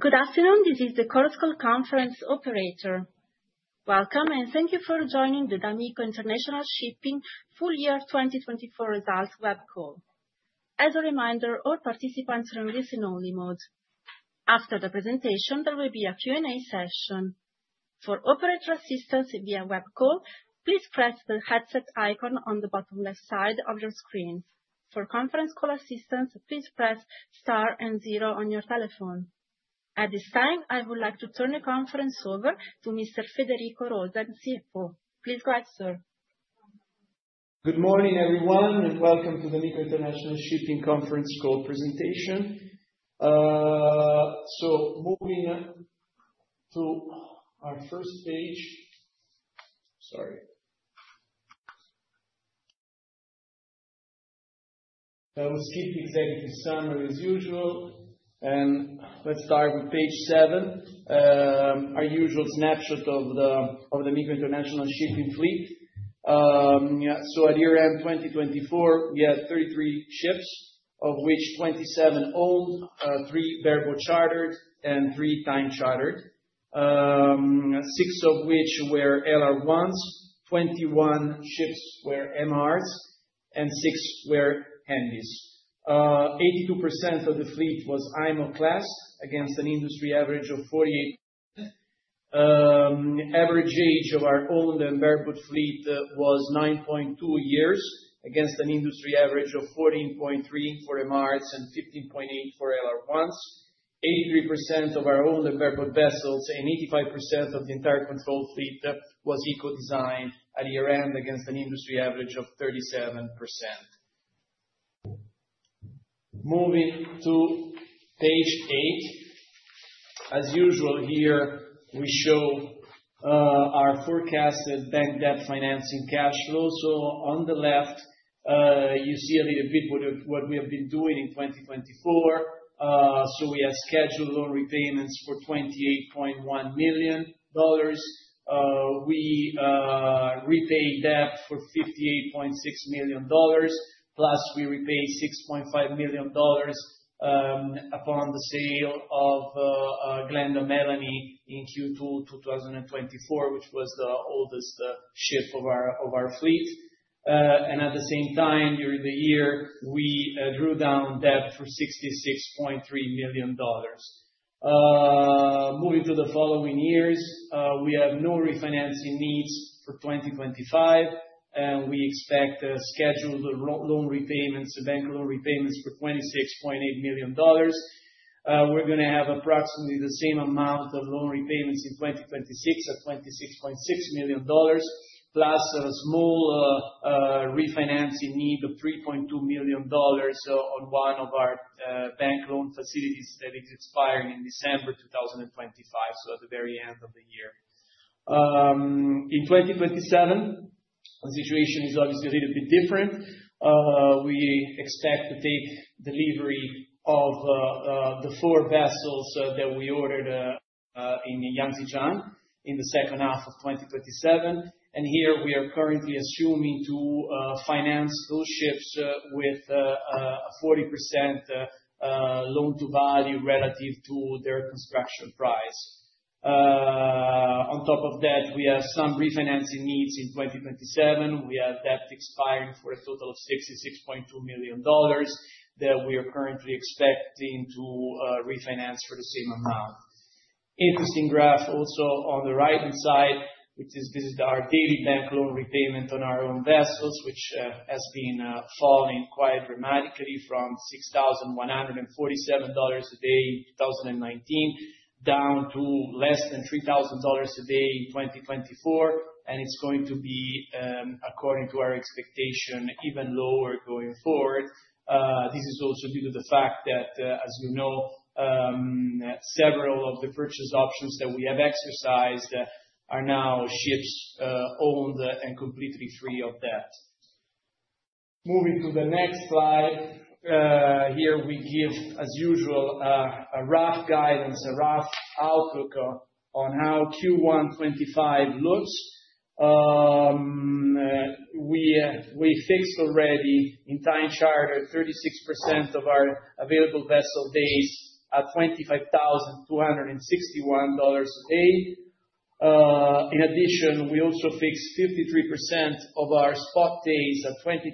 Good afternoon, this is the CorosCall conference operator. Welcome, and thank you for joining the D'Amico International Shipping Full Year 2024 Results Web Call. As a reminder, all participants are in listen-only mode. After the presentation, there will be a Q&A session. For operator assistance via web call, please press the headset icon on the bottom left side of your screen. For conference call assistance, please press Star and Zero on your telephone. At this time, I would like to turn the conference over to Mr. Federico Rosen, CFO. Please go ahead, sir. Good morning, everyone, and welcome to the D'Amico International Shipping Conference Call presentation. Moving to our first page. Sorry. I will skip the executive summary as usual, and let's start with page seven, our usual snapshot of the D'Amico International Shipping fleet. At year-end 2024, we had 33 ships, of which 27 owned, 3 bareboat chartered, and 3 time chartered, 6 of which were LR1s, 21 ships were MRs, and 6 were handies. 82% of the fleet was IMO class, against an industry average of 48%. Average age of our owned and bareboat fleet was 9.2 years, against an industry average of 14.3 for MRs and 15.8 for LR1s. 83% of our owned and bareboat vessels, and 85% of the entire controlled fleet, was eco-designed at year-end, against an industry average of 37%. Moving to page eight. As usual here, we show our forecasted bank debt financing cash flow. On the left, you see a little bit what we have been doing in 2024. We have scheduled loan repayments for $28.1 million. We repay debt for $58.6 million, plus we repay $6.5 million upon the sale of Glenda Melanie in Q2 2024, which was the oldest ship of our fleet. At the same time, during the year, we drew down debt for $66.3 million. Moving to the following years, we have no refinancing needs for 2025, and we expect scheduled loan repayments, bank loan repayments for $26.8 million. We're going to have approximately the same amount of loan repayments in 2026 at $26.6 million, plus a small refinancing need of $3.2 million on one of our bank loan facilities that is expiring in December 2025, at the very end of the year. In 2027, the situation is obviously a little bit different. We expect to take delivery of the four vessels that we ordered in Yangzijiang in the second half of 2027. Here, we are currently assuming to finance those ships with a 40% loan-to-value relative to their construction price. On top of that, we have some refinancing needs in 2027. We have debt expiring for a total of $66.2 million that we are currently expecting to refinance for the same amount. Interesting graph also on the right-hand side, which is our daily bank loan repayment on our own vessels, which has been falling quite dramatically from $6,147 a day in 2019 down to less than $3,000 a day in 2024. It is going to be, according to our expectation, even lower going forward. This is also due to the fact that, as you know, several of the purchase options that we have exercised are now ships owned and completely free of debt. Moving to the next slide, here we give, as usual, a rough guidance, a rough outlook on how Q1 2025 looks. We fixed already in time chartered 36% of our available vessel days at $25,261 a day. In addition, we also fixed 53% of our spot days at $20,428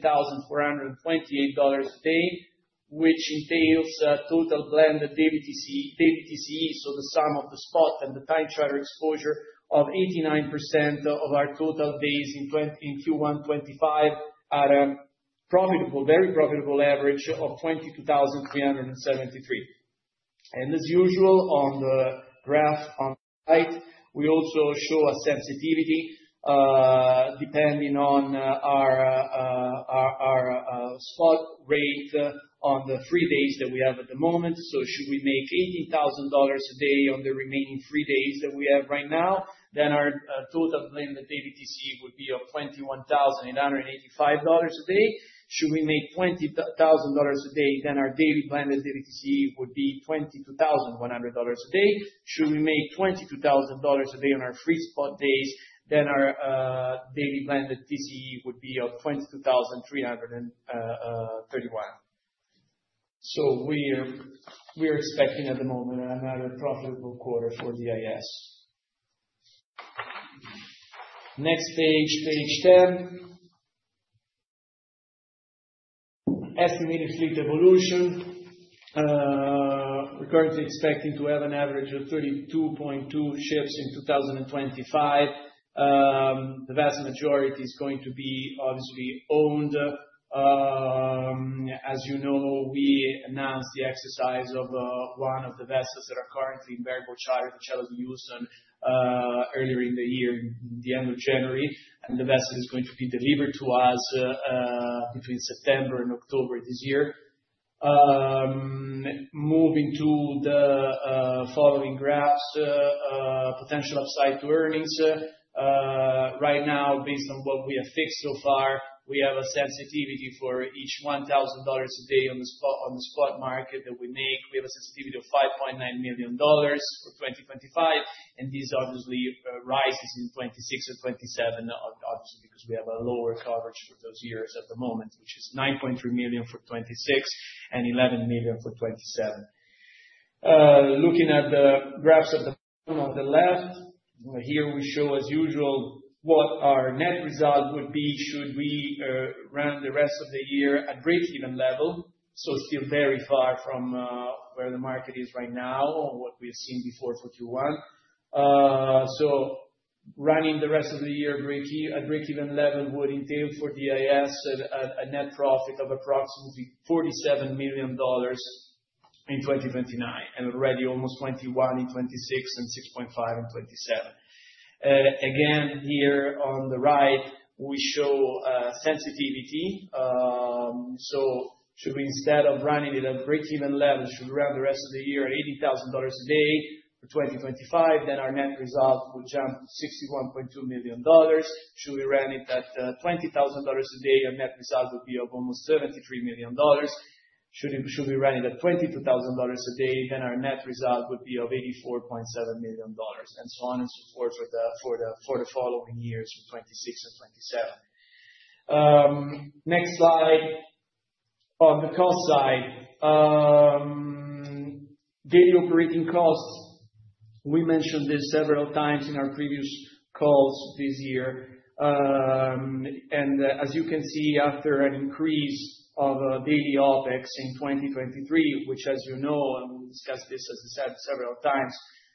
a day, which entails total blended DBTCE, so the sum of the spot and the time charter exposure of 89% of our total days in Q1 2025 at a profitable, very profitable average of $22,373. As usual, on the graph on the right, we also show a sensitivity depending on our spot rate on the three days that we have at the moment. Should we make $18,000 a day on the remaining three days that we have right now, then our total blended DBTCE would be $21,885 a day. Should we make $20,000 a day, then our daily blended DBTCE would be $22,100 a day. Should we make $22,000 a day on our free spot days, then our daily blended DBTCE would be $22,331. We are expecting at the moment another profitable quarter for D'Amico International Shipping. Next page, page 10. Estimated fleet evolution. We are currently expecting to have an average of 32.2 ships in 2025. The vast majority is going to be obviously owned. As you know, we announced the exercise of one of the vessels that are currently in bareboat charter to Chetan Khulbe earlier in the year, the end of January. The vessel is going to be delivered to us between September and October this year. Moving to the following graphs, potential upside to earnings. Right now, based on what we have fixed so far, we have a sensitivity for each $1,000 a day on the spot market that we make. We have a sensitivity of $5.9 million for 2025. This obviously rises in 2026 or 2027, obviously, because we have a lower coverage for those years at the moment, which is $9.3 million for 2026 and $11 million for 2027. Looking at the graphs at the bottom on the left, here we show, as usual, what our net result would be should we run the rest of the year at break-even level. Still very far from where the market is right now, what we've seen before for Q1. Running the rest of the year at break-even level would entail for DIS a net profit of approximately $47 million in 2029, and already almost $21 million in 2026 and $6.5 million in 2027. Again, here on the right, we show sensitivity. Should we, instead of running it at break-even level, run the rest of the year at $80,000 a day for 2025, then our net result would jump to $61.2 million. Should we run it at $20,000 a day, our net result would be almost $73 million. Should we run it at $22,000 a day, then our net result would be $84.7 million. And so on and so forth for the following years for 2026 and 2027. Next slide. On the cost side, daily operating costs. We mentioned this several times in our previous calls this year. As you can see, after an increase of daily OPEX in 2023, which, as you know, and we discussed this, as I said, several times,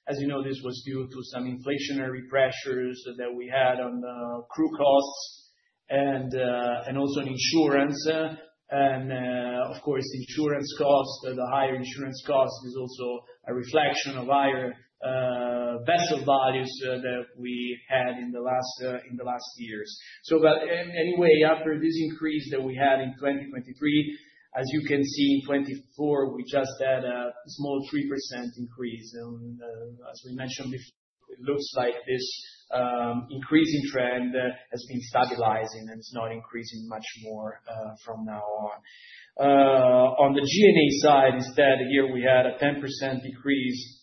as you know, this was due to some inflationary pressures that we had on crew costs and also on insurance. Of course, insurance costs, the higher insurance cost is also a reflection of higher vessel values that we had in the last years. Anyway, after this increase that we had in 2023, as you can see, in 2024, we just had a small 3% increase. As we mentioned before, it looks like this increasing trend has been stabilizing and is not increasing much more from now on. On the G&A side, instead, here we had a 10% decrease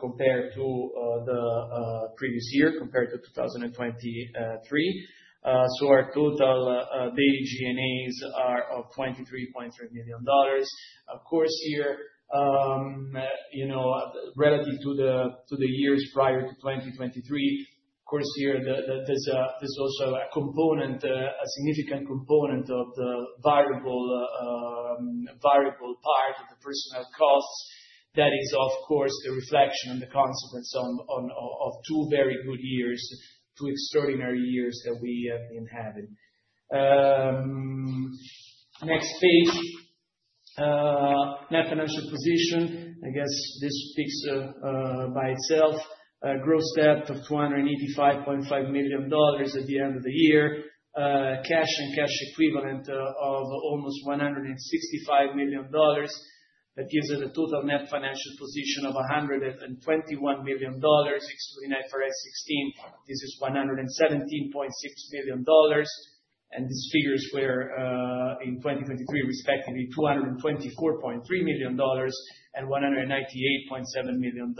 compared to the previous year, compared to 2023. Our total daily G&As are $23.3 million. Of course, here, you know, relative to the years prior to 2023, of course, here, there's also a component, a significant component of the variable part of the personal costs that is, of course, a reflection and the consequence of two very good years, two extraordinary years that we have been having. Next page. Net financial position, I guess this speaks by itself. Gross debt of $285.5 million at the end of the year. Cash and cash equivalent of almost $165 million. That gives us a total net financial position of $121 million. Excluding IFRS 16, this is $117.6 million. These figures were in 2023, respectively, $224.3 million and $198.7 million.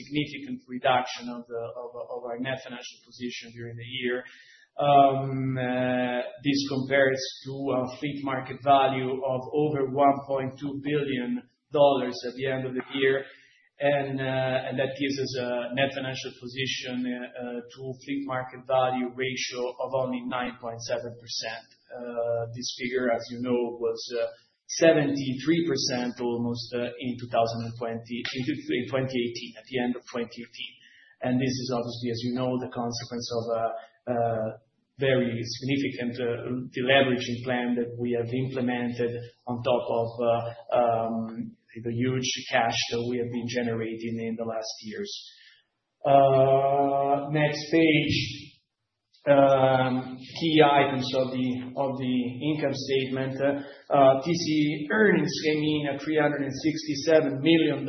Significant reduction of our net financial position during the year. This compares to our fleet market value of over $1.2 billion at the end of the year. That gives us a net financial position to fleet market value ratio of only 9.7%. This figure, as you know, was 73% almost in 2018, at the end of 2018. This is obviously, as you know, the consequence of a very significant deleveraging plan that we have implemented on top of the huge cash that we have been generating in the last years. Next page. Key items of the income statement. TC earnings came in at $367 million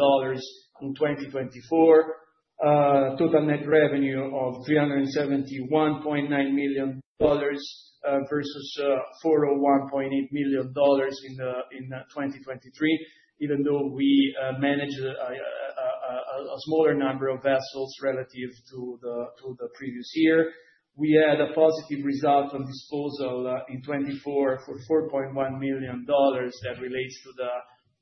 in 2024. Total net revenue of $371.9 million versus $401.8 million in 2023. Even though we managed a smaller number of vessels relative to the previous year, we had a positive result on disposal in 2024 for $4.1 million that relates to the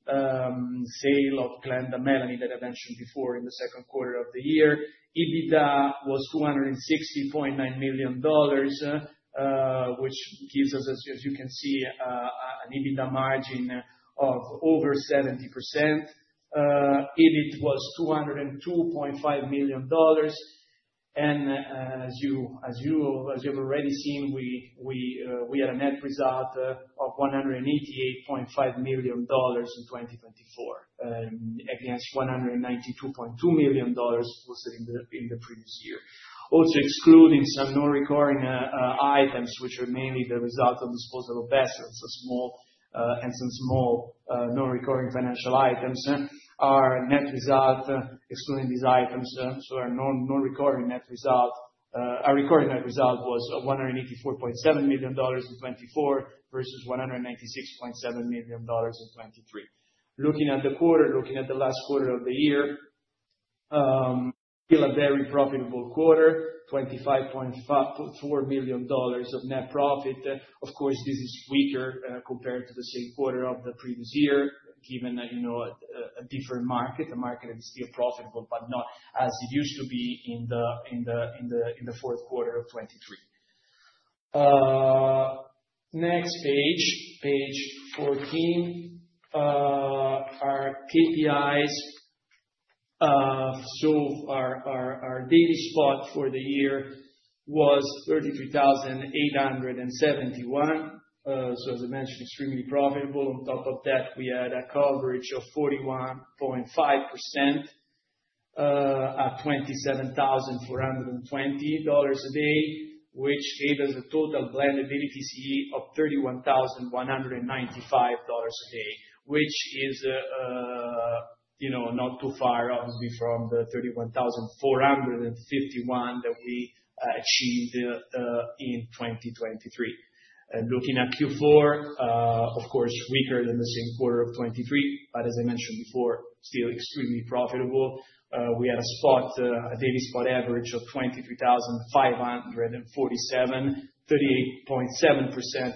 sale of Glenda Melanie that I mentioned before in the second quarter of the year. EBITDA was $260.9 million, which gives us, as you can see, an EBITDA margin of over 70%. EBIT was $202.5 million. As you have already seen, we had a net result of $188.5 million in 2024 against $192.2 million we saw in the previous year. Also, excluding some non-recurring items, which are mainly the result of disposal of vessels, and some small non-recurring financial items, our net result, excluding these items, so our non-recurring net result, our recurring net result was $184.7 million in 2024 versus $196.7 million in 2023. Looking at the quarter, looking at the last quarter of the year, still a very profitable quarter, $25.4 million of net profit. Of course, this is weaker compared to the same quarter of the previous year, given, you know, a different market, a market that is still profitable, but not as it used to be in the fourth quarter of 2023. Next page, page 14. Our KPIs. Our daily spot for the year was $33,871. As I mentioned, extremely profitable. On top of that, we had a coverage of 41.5% at $27,420 a day, which gave us a total blended DBTCE of $31,195 a day, which is, you know, not too far, obviously, from the $31,451 that we achieved in 2023. Looking at Q4, of course, weaker than the same quarter of 2023, but as I mentioned before, still extremely profitable. We had a spot, a daily spot average of $23,547, 38.7%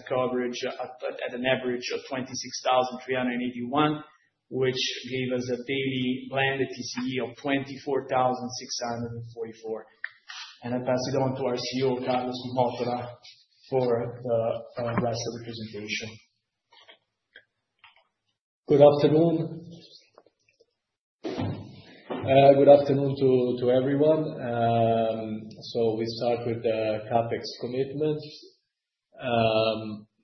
coverage at an average of $26,381, which gave us a daily blended DBTCE of $24,644. I pass it on to our CEO, Carlos Mottola, for the rest of the presentation. Good afternoon. Good afternoon to everyone. We start with the CapEx commitments.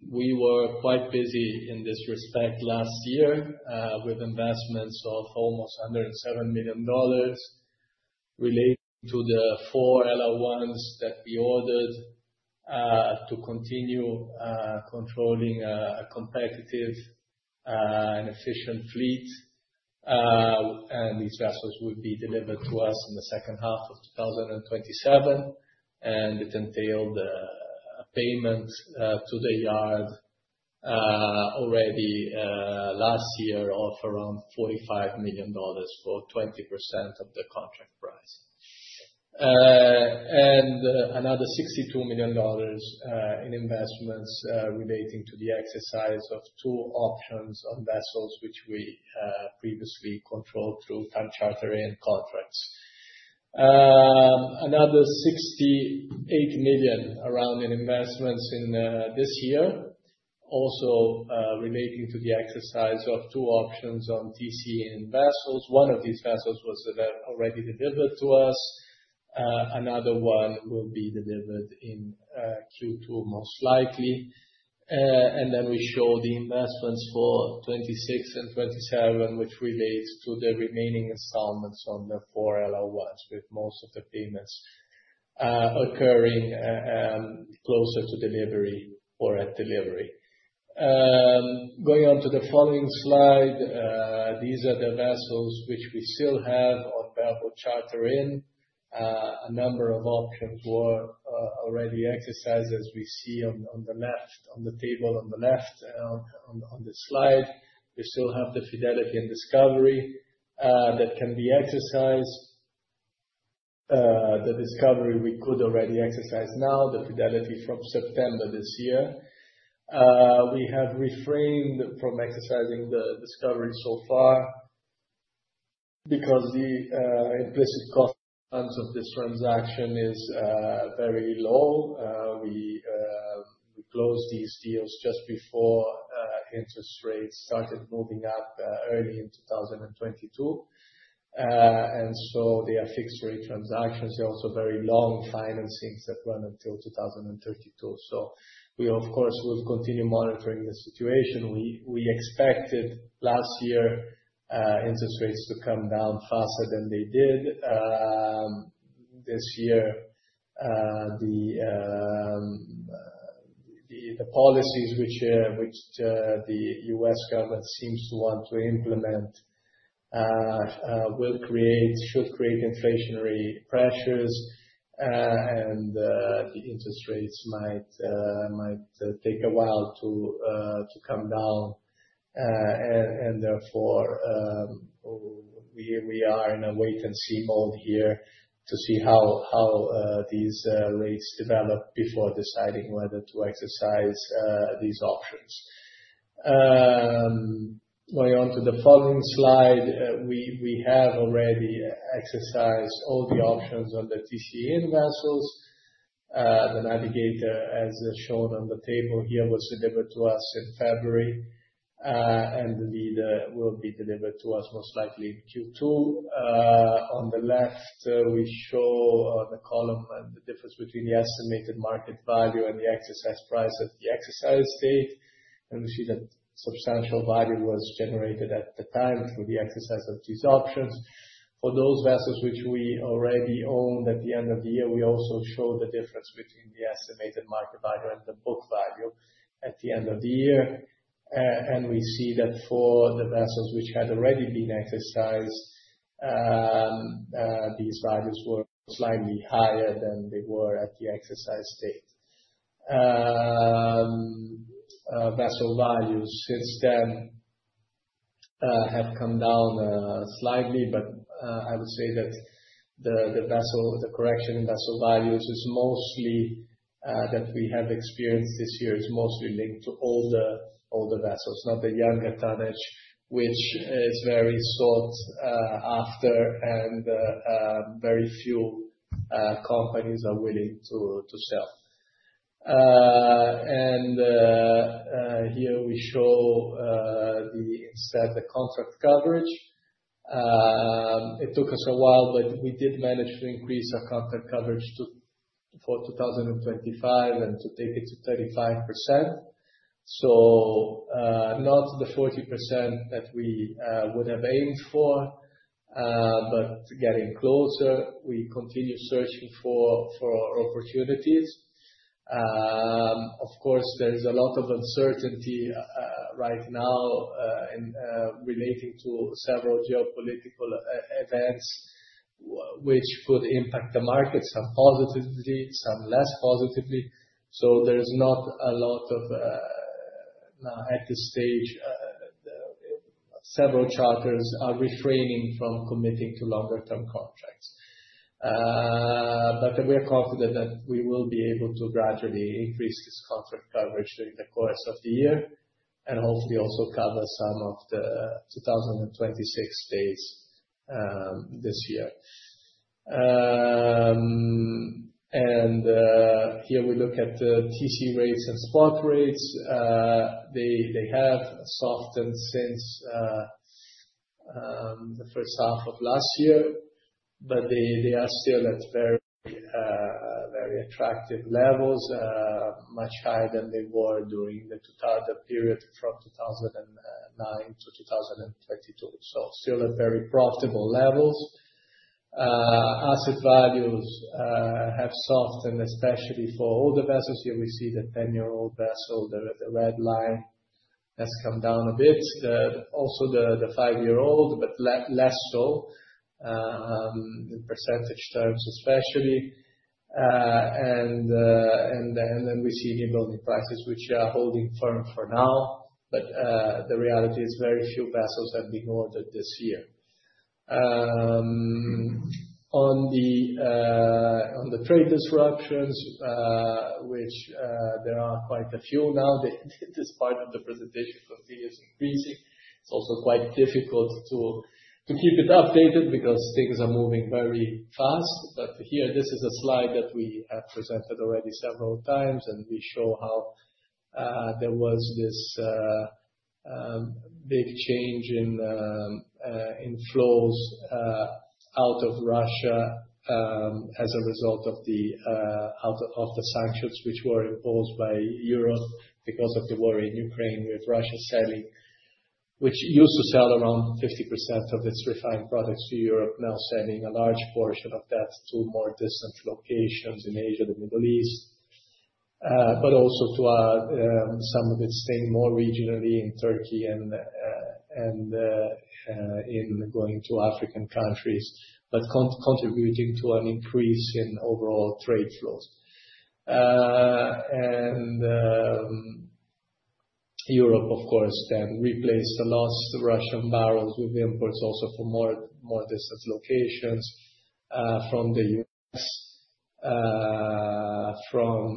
We were quite busy in this respect last year with investments of almost $107 million related to the four LR1s that we ordered to continue controlling a competitive and efficient fleet. These vessels would be delivered to us in the second half of 2027. It entailed payments to the yard already last year of around $45 million for 20% of the contract price. Another $62 million in investments relating to the exercise of two options on vessels, which we previously controlled through time charter contracts. Another $68 million around in investments in this year, also relating to the exercise of two options on TC-in vessels. One of these vessels was already delivered to us. Another one will be delivered in Q2, most likely. We show the investments for 2026 and 2027, which relates to the remaining installments on the four LR1s, with most of the payments occurring closer to delivery or at delivery. Going on to the following slide, these are the vessels which we still have on bareboat charter in. A number of options were already exercised, as we see on the left, on the table on the left on this slide. We still have the Fidelity and Discovery that can be exercised. The Discovery we could already exercise now, the Fidelity from September this year. We have refrained from exercising the Discovery so far because the implicit cost of this transaction is very low. We closed these deals just before interest rates started moving up early in 2022. They are fixed rate transactions. They're also very long financings that run until 2032. We, of course, will continue monitoring the situation. We expected last year interest rates to come down faster than they did. This year, the policies which the U.S. government seems to want to implement should create inflationary pressures. The interest rates might take a while to come down. Therefore, we are in a wait-and-see mode here to see how these rates develop before deciding whether to exercise these options. Going on to the following slide, we have already exercised all the options on the TCN vessels. The Navigator, as shown on the table here, was delivered to us in February. The Leader will be delivered to us most likely in Q2. On the left, we show on the column the difference between the estimated market value and the exercise price at the exercise date. We see that substantial value was generated at the time through the exercise of these options. For those vessels which we already owned at the end of the year, we also show the difference between the estimated market value and the book value at the end of the year. We see that for the vessels which had already been exercised, these values were slightly higher than they were at the exercise date. Vessel values since then have come down slightly, but I would say that the correction in vessel values we have experienced this year is mostly linked to older vessels, not the younger tonnage, which is very sought after and very few companies are willing to sell. Here we show instead the contract coverage. It took us a while, but we did manage to increase our contract coverage for 2025 and to take it to 35%. Not the 40% that we would have aimed for, but getting closer. We continue searching for opportunities. Of course, there is a lot of uncertainty right now relating to several geopolitical events, which could impact the markets, some positively, some less positively. There is not a lot of, at this stage, several charters are refraining from committing to longer-term contracts. We are confident that we will be able to gradually increase this contract coverage during the course of the year and hopefully also cover some of the 2026 days this year. Here we look at TC rates and spot rates. They have softened since the first half of last year, but they are still at very attractive levels, much higher than they were during the two-third period from 2009 to 2022. Still at very profitable levels. Asset values have softened, especially for older vessels. Here we see the 10-year-old vessel, the red line, has come down a bit. Also, the five-year-old, but less so in percentage terms, especially. We see new building prices, which are holding firm for now, but the reality is very few vessels have been ordered this year. On the trade disruptions, which there are quite a few now, this part of the presentation continues increasing. It's also quite difficult to keep it updated because things are moving very fast. This is a slide that we have presented already several times, and we show how there was this big change in flows out of Russia as a result of the sanctions, which were imposed by Europe because of the war in Ukraine with Russia selling, which used to sell around 50% of its refined products to Europe, now selling a large portion of that to more distant locations in Asia, the Middle East, but also to some of it staying more regionally in Turkey and in going to African countries, but contributing to an increase in overall trade flows. Europe, of course, then replaced the lost Russian barrels with imports also from more distant locations from the U.S., from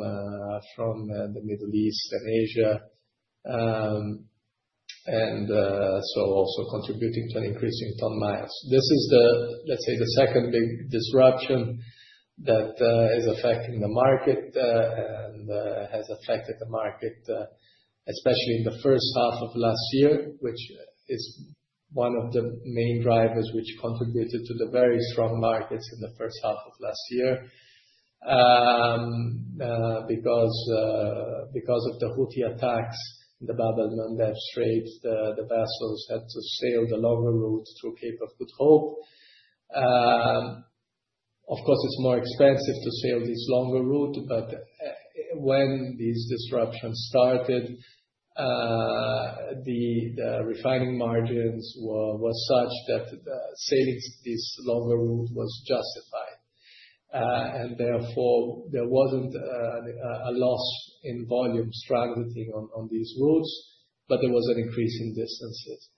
the Middle East and Asia, and so also contributing to an increase in ton miles. This is, let's say, the second big disruption that is affecting the market and has affected the market, especially in the first half of last year, which is one of the main drivers which contributed to the very strong markets in the first half of last year because of the Houthi attacks in the Bab al-Mandeb Straits. The vessels had to sail the longer route through Cape of Good Hope. Of course, it's more expensive to sail this longer route, but when these disruptions started, the refining margins were such that sailing this longer route was justified. Therefore, there wasn't a loss in volume struggling on these routes, but there was an increase in distances.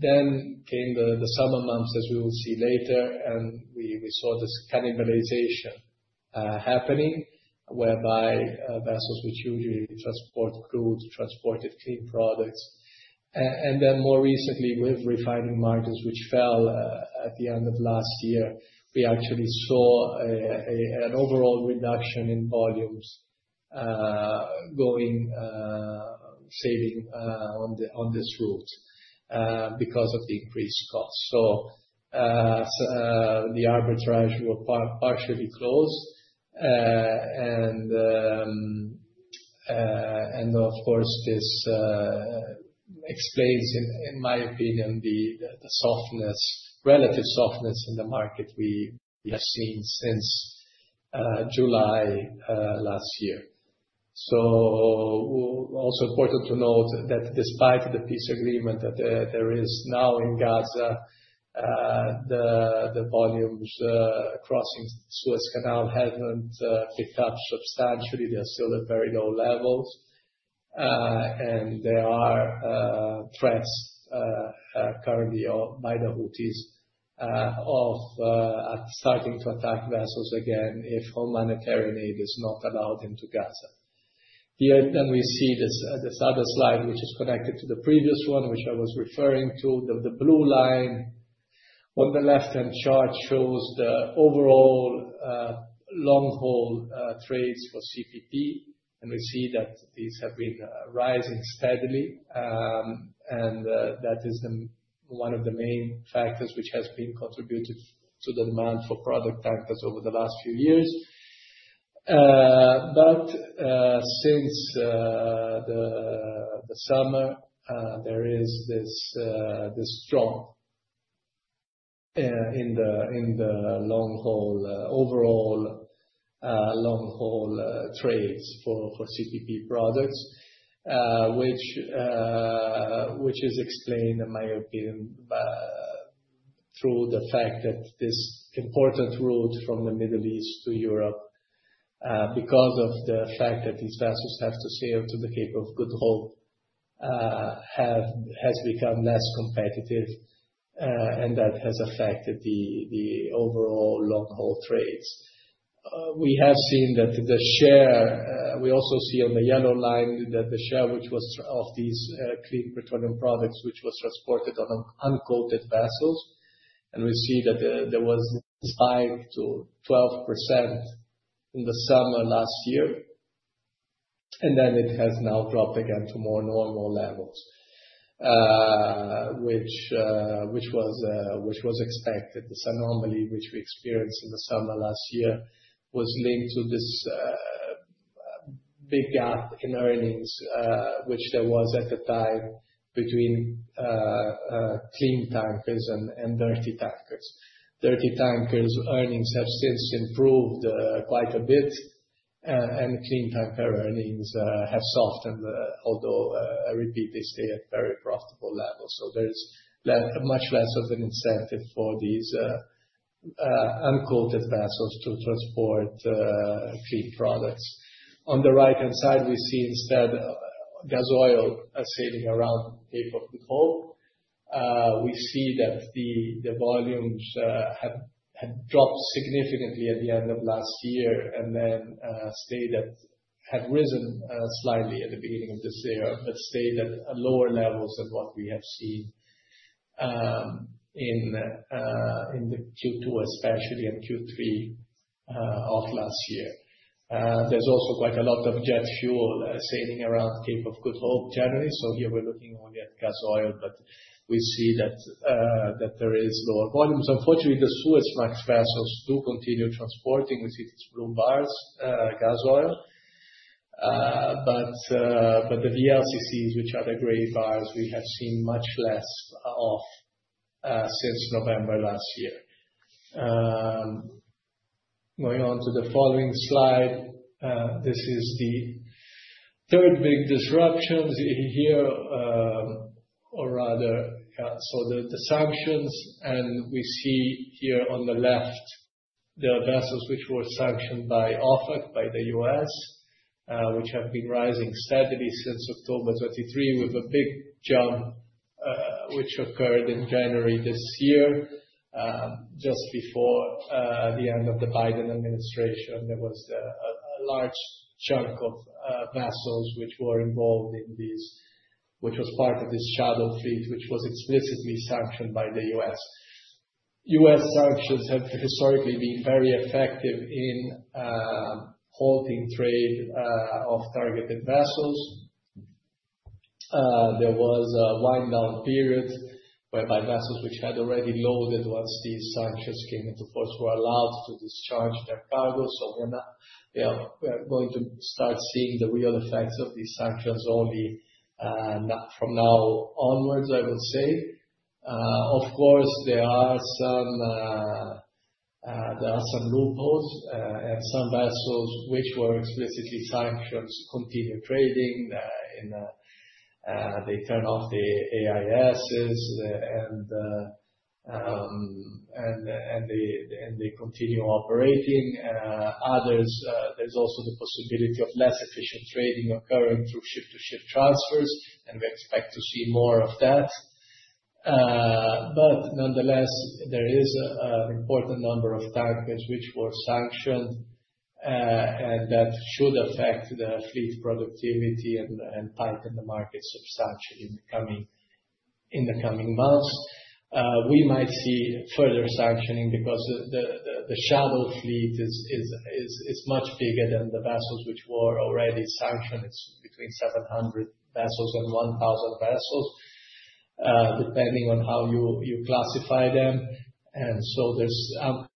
Then came the summer months, as we will see later, and we saw this cannibalization happening, whereby vessels which usually transport crude transported clean products. More recently, with refining margins which fell at the end of last year, we actually saw an overall reduction in volumes going, sailing on this route because of the increased costs. The arbitrage were partially closed. Of course, this explains, in my opinion, the softness, relative softness in the market we have seen since July last year. It is also important to note that despite the peace agreement that there is now in Gaza, the volumes crossing the Suez Canal have not picked up substantially. They are still at very low levels. There are threats currently by the Houthis of starting to attack vessels again if humanitarian aid is not allowed into Gaza. Here we see this other slide, which is connected to the previous one, which I was referring to. The blue line on the left-hand chart shows the overall long-haul trades for CPP. We see that these have been rising steadily. That is one of the main factors which has contributed to the demand for product tankers over the last few years. Since the summer, there is this drop in the overall long-haul trades for CPP products, which is explained, in my opinion, through the fact that this important route from the Middle East to Europe, because these vessels have to sail to the Cape of Good Hope, has become less competitive. That has affected the overall long-haul trades. We have seen that the share, we also see on the yellow line, that the share which was of these clean petroleum products, which was transported on uncoated vessels. We see that there was a spike to 12% in the summer last year. It has now dropped again to more normal levels, which was expected. This anomaly which we experienced in the summer last year was linked to this big gap in earnings, which there was at the time between clean tankers and dirty tankers. Dirty tankers' earnings have since improved quite a bit, and clean tanker earnings have softened, although I repeat, they stay at very profitable levels. There is much less of an incentive for these uncoated vessels to transport clean products. On the right-hand side, we see instead gas oil sailing around Cape of Good Hope. We see that the volumes have dropped significantly at the end of last year and then had risen slightly at the beginning of this year, but stayed at lower levels than what we have seen in the Q2, especially and Q3 of last year. There's also quite a lot of jet fuel sailing around Cape of Good Hope generally. Here we're looking only at gas oil, but we see that there is lower volumes. Unfortunately, the Suez Max vessels do continue transporting. We see these blue bars, gas oil. The VLCCs, which are the gray bars, we have seen much less of since November last year. Going on to the following slide, this is the third big disruption here, or rather, the sanctions. We see here on the left the vessels which were sanctioned by OFAC, by the U.S., which have been rising steadily since October 2023, with a big jump which occurred in January this year. Just before the end of the Biden administration, there was a large chunk of vessels which were involved in these, which was part of this shadow fleet, which was explicitly sanctioned by the U.S. U.S. sanctions have historically been very effective in halting trade of targeted vessels. There was a wind-down period whereby vessels which had already loaded once these sanctions came into force were allowed to discharge their cargo. We are going to start seeing the real effects of these sanctions only from now onwards, I would say. Of course, there are some loopholes and some vessels which were explicitly sanctioned continue trading. They turn off the AIS, and they continue operating. Others, there's also the possibility of less efficient trading occurring through ship-to-ship transfers, and we expect to see more of that. Nonetheless, there is an important number of tankers which were sanctioned, and that should affect the fleet productivity and tighten the markets substantially in the coming months. We might see further sanctioning because the shadow fleet is much bigger than the vessels which were already sanctioned. It's between 700 vessels and 1,000 vessels, depending on how you classify them. There is ample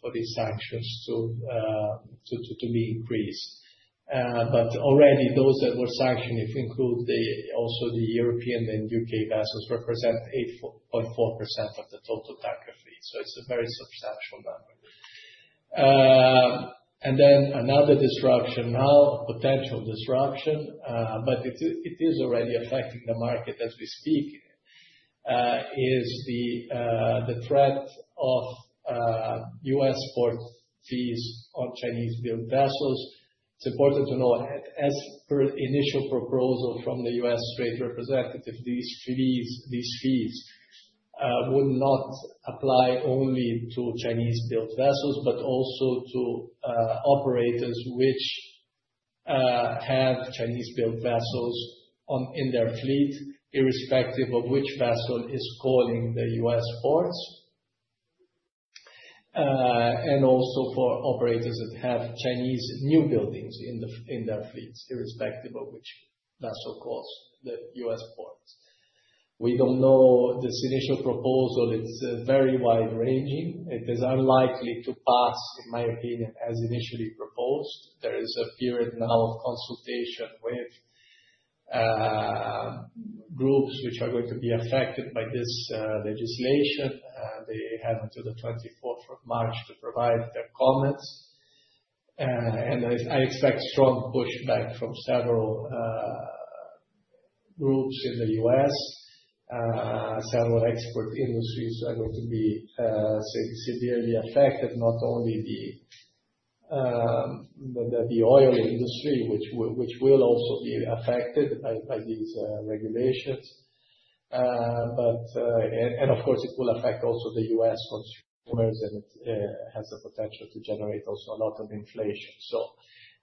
for these sanctions to be increased. Already, those that were sanctioned, if we include also the European and U.K. vessels, represent 8.4% of the total tanker fleet. It's a very substantial number. Another disruption, now a potential disruption, but it is already affecting the market as we speak, is the threat of U.S. port fees on Chinese-built vessels. It's important to know, as per initial proposal from the U.S. Trade Representative, these fees would not apply only to Chinese-built vessels, but also to operators which have Chinese-built vessels in their fleet, irrespective of which vessel is calling the U.S. ports. Also, for operators that have Chinese new buildings in their fleets, irrespective of which vessel calls the U.S. ports. We do not know this initial proposal. It is very wide-ranging. It is unlikely to pass, in my opinion, as initially proposed. There is a period now of consultation with groups which are going to be affected by this legislation. They have until the 24th of March to provide their comments. I expect strong pushback from several groups in the U.S. Several export industries are going to be severely affected, not only the oil industry, which will also be affected by these regulations. Of course, it will affect also the U.S. consumers, and it has the potential to generate also a lot of inflation.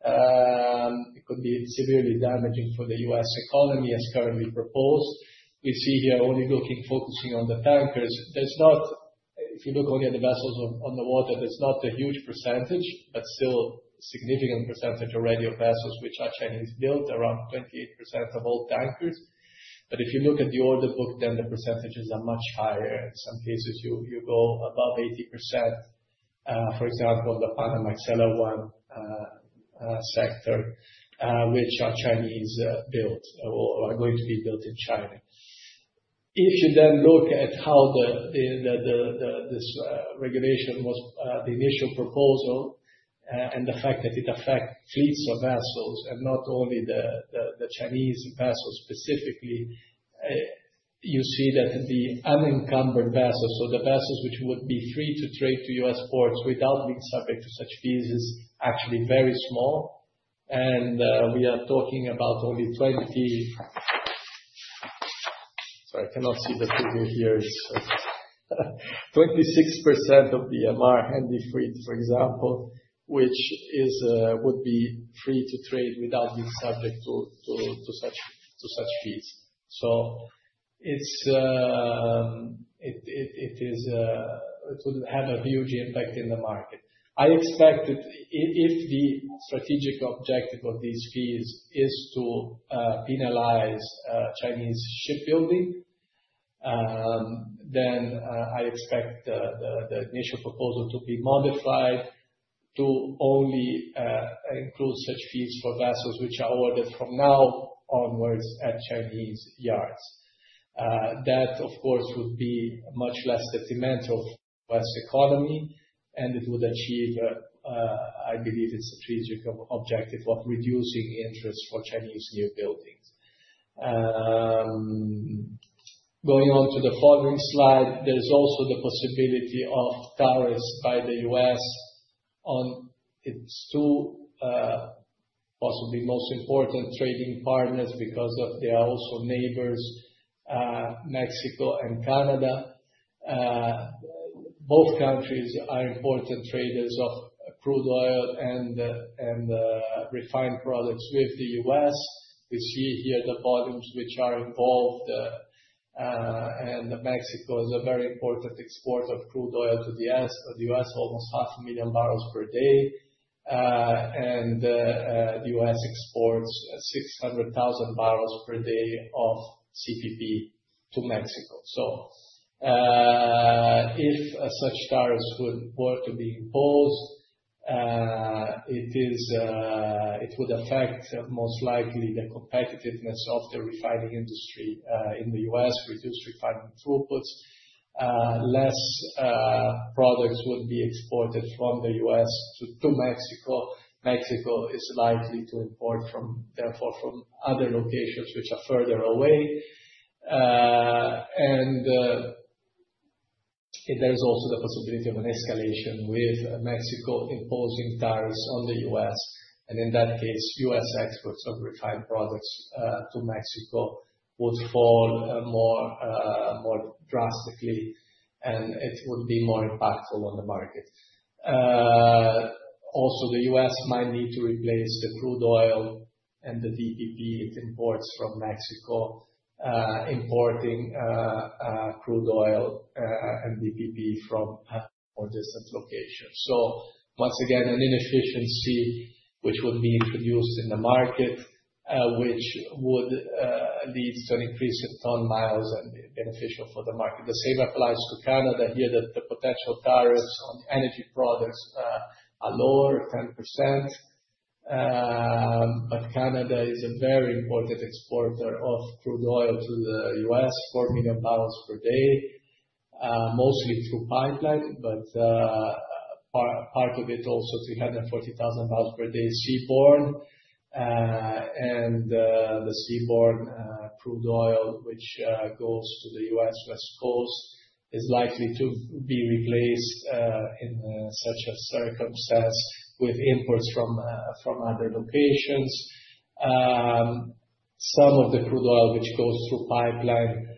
It could be severely damaging for the U.S. economy, as currently proposed. We see here only looking, focusing on the tankers. If you look only at the vessels on the water, there's not a huge percentage, but still a significant percentage already of vessels which are Chinese-built, around 28% of all tankers. If you look at the order book, then the percentages are much higher. In some cases, you go above 80%, for example, the Panama-Stella One sector, which are Chinese-built or are going to be built in China. If you then look at how this regulation was, the initial proposal, and the fact that it affects fleets of vessels, and not only the Chinese vessels specifically, you see that the unencumbered vessels, so the vessels which would be free to trade to U.S. Ports without being subject to such fees, is actually very small. We are talking about only 20—sorry, I cannot see the figure here. It's 26% of the MR Handy Fleet, for example, which would be free to trade without being subject to such fees. It would have a huge impact in the market. I expect that if the strategic objective of these fees is to penalize Chinese shipbuilding, then I expect the initial proposal to be modified to only include such fees for vessels which are ordered from now onwards at Chinese yards. That, of course, would be much less detrimental for the U.S. economy, and it would achieve, I believe, its strategic objective, of reducing interest for Chinese new buildings. Going on to the following slide, there's also the possibility of tariffs by the U.S. on its two possibly most important trading partners because they are also neighbors, Mexico and Canada. Both countries are important traders of crude oil and refined products with the U.S. We see here the volumes which are involved. Mexico is a very important exporter of crude oil to the U.S., almost 500,000 barrels per day. The U.S. exports 600,000 barrels per day of CPP to Mexico. If such tariffs were to be imposed, it would affect most likely the competitiveness of the refining industry in the U.S., reduce refining throughputs. Less products would be exported from the U.S. to Mexico. Mexico is likely to import from, therefore, from other locations which are further away. There is also the possibility of an escalation with Mexico imposing tariffs on the U.S. In that case, U.S. Exports of refined products to Mexico would fall more drastically, and it would be more impactful on the market. Also, the U.S. might need to replace the crude oil and the DPP it imports from Mexico, importing crude oil and DPP from more distant locations. Once again, an inefficiency which would be introduced in the market, which would lead to an increase in ton-miles and be beneficial for the market. The same applies to Canada here, that the potential tariffs on energy products are lower, 10%. Canada is a very important exporter of crude oil to the U.S., 4 million barrels per day, mostly through pipeline, but part of it also 340,000 barrels per day seaborne. The seaborne crude oil, which goes to the U.S. West Coast, is likely to be replaced in such a circumstance with imports from other locations. Some of the crude oil which goes through pipeline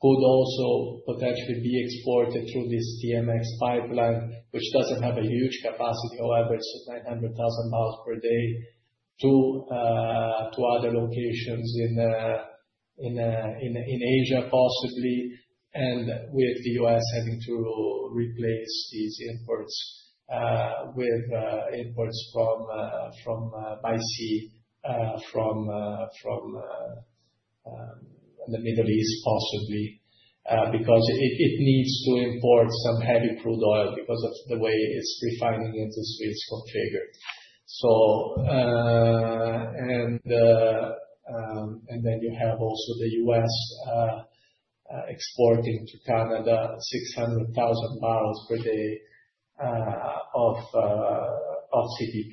could also potentially be exported through this TMX pipeline, which does not have a huge capacity, however, it is 900,000 barrels per day to other locations in Asia possibly. With the U.S. having to replace these imports with imports by sea from the Middle East possibly because it needs to import some heavy crude oil because of the way its refining industry is configured. You have also the U.S. exporting to Canada 600,000 barrels per day of CPP.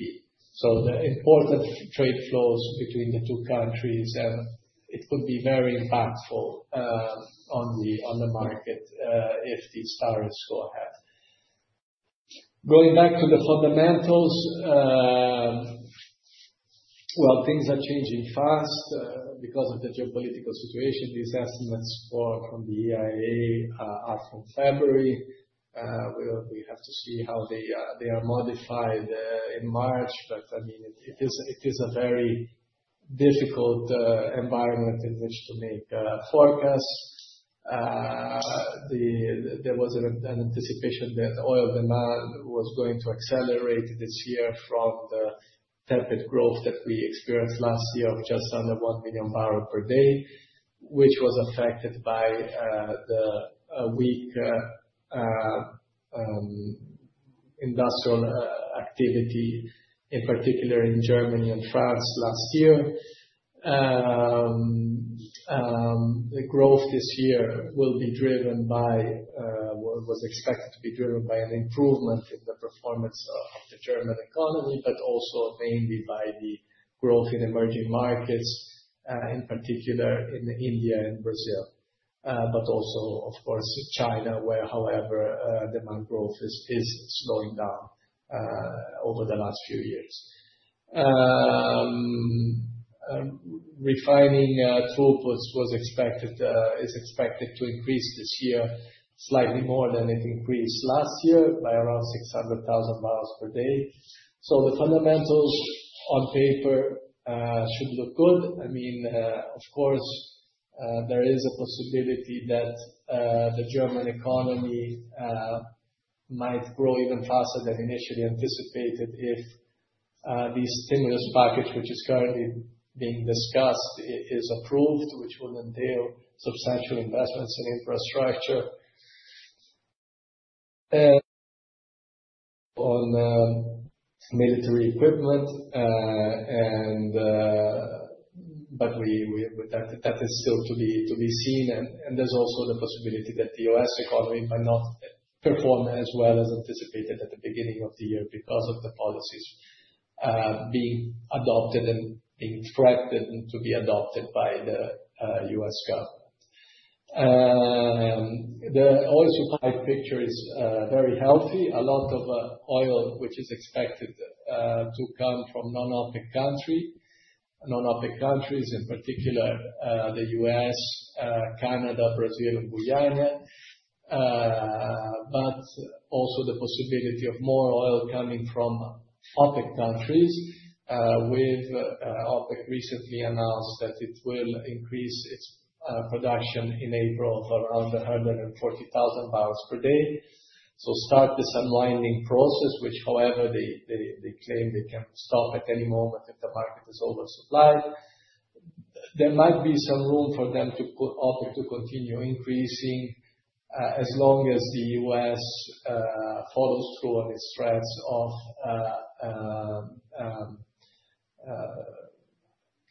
The important trade flows between the two countries, and it could be very impactful on the market if these tariffs go ahead. Going back to the fundamentals, things are changing fast because of the geopolitical situation. These estimates from the EIA are from February. We have to see how they are modified in March. I mean, it is a very difficult environment in which to make forecasts. There was an anticipation that oil demand was going to accelerate this year from the tepid growth that we experienced last year of just under 1 million barrels per day, which was affected by the weak industrial activity, in particular in Germany and France last year. The growth this year will be driven by, was expected to be driven by an improvement in the performance of the German economy, but also mainly by the growth in emerging markets, in particular in India and Brazil. Also, of course, China, where, however, demand growth is slowing down over the last few years. Refining throughputs is expected to increase this year slightly more than it increased last year by around 600,000 barrels per day. The fundamentals on paper should look good. I mean, of course, there is a possibility that the German economy might grow even faster than initially anticipated if the stimulus package, which is currently being discussed, is approved, which would entail substantial investments in infrastructure. On military equipment, but that is still to be seen. There is also the possibility that the U.S. economy might not perform as well as anticipated at the beginning of the year because of the policies being adopted and being threatened to be adopted by the U.S. government. The oil supply picture is very healthy. A lot of oil, which is expected to come from non-OPEC countries, in particular the U.S., Canada, Brazil, and Guyana. There is also the possibility of more oil coming from OPEC countries, with OPEC recently announced that it will increase its production in April for around 140,000 barrels per day. To start this unwinding process, which, however, they claim they can stop at any moment if the market is oversupplied. There might be some room for OPEC to continue increasing as long as the U.S. follows through on its threats of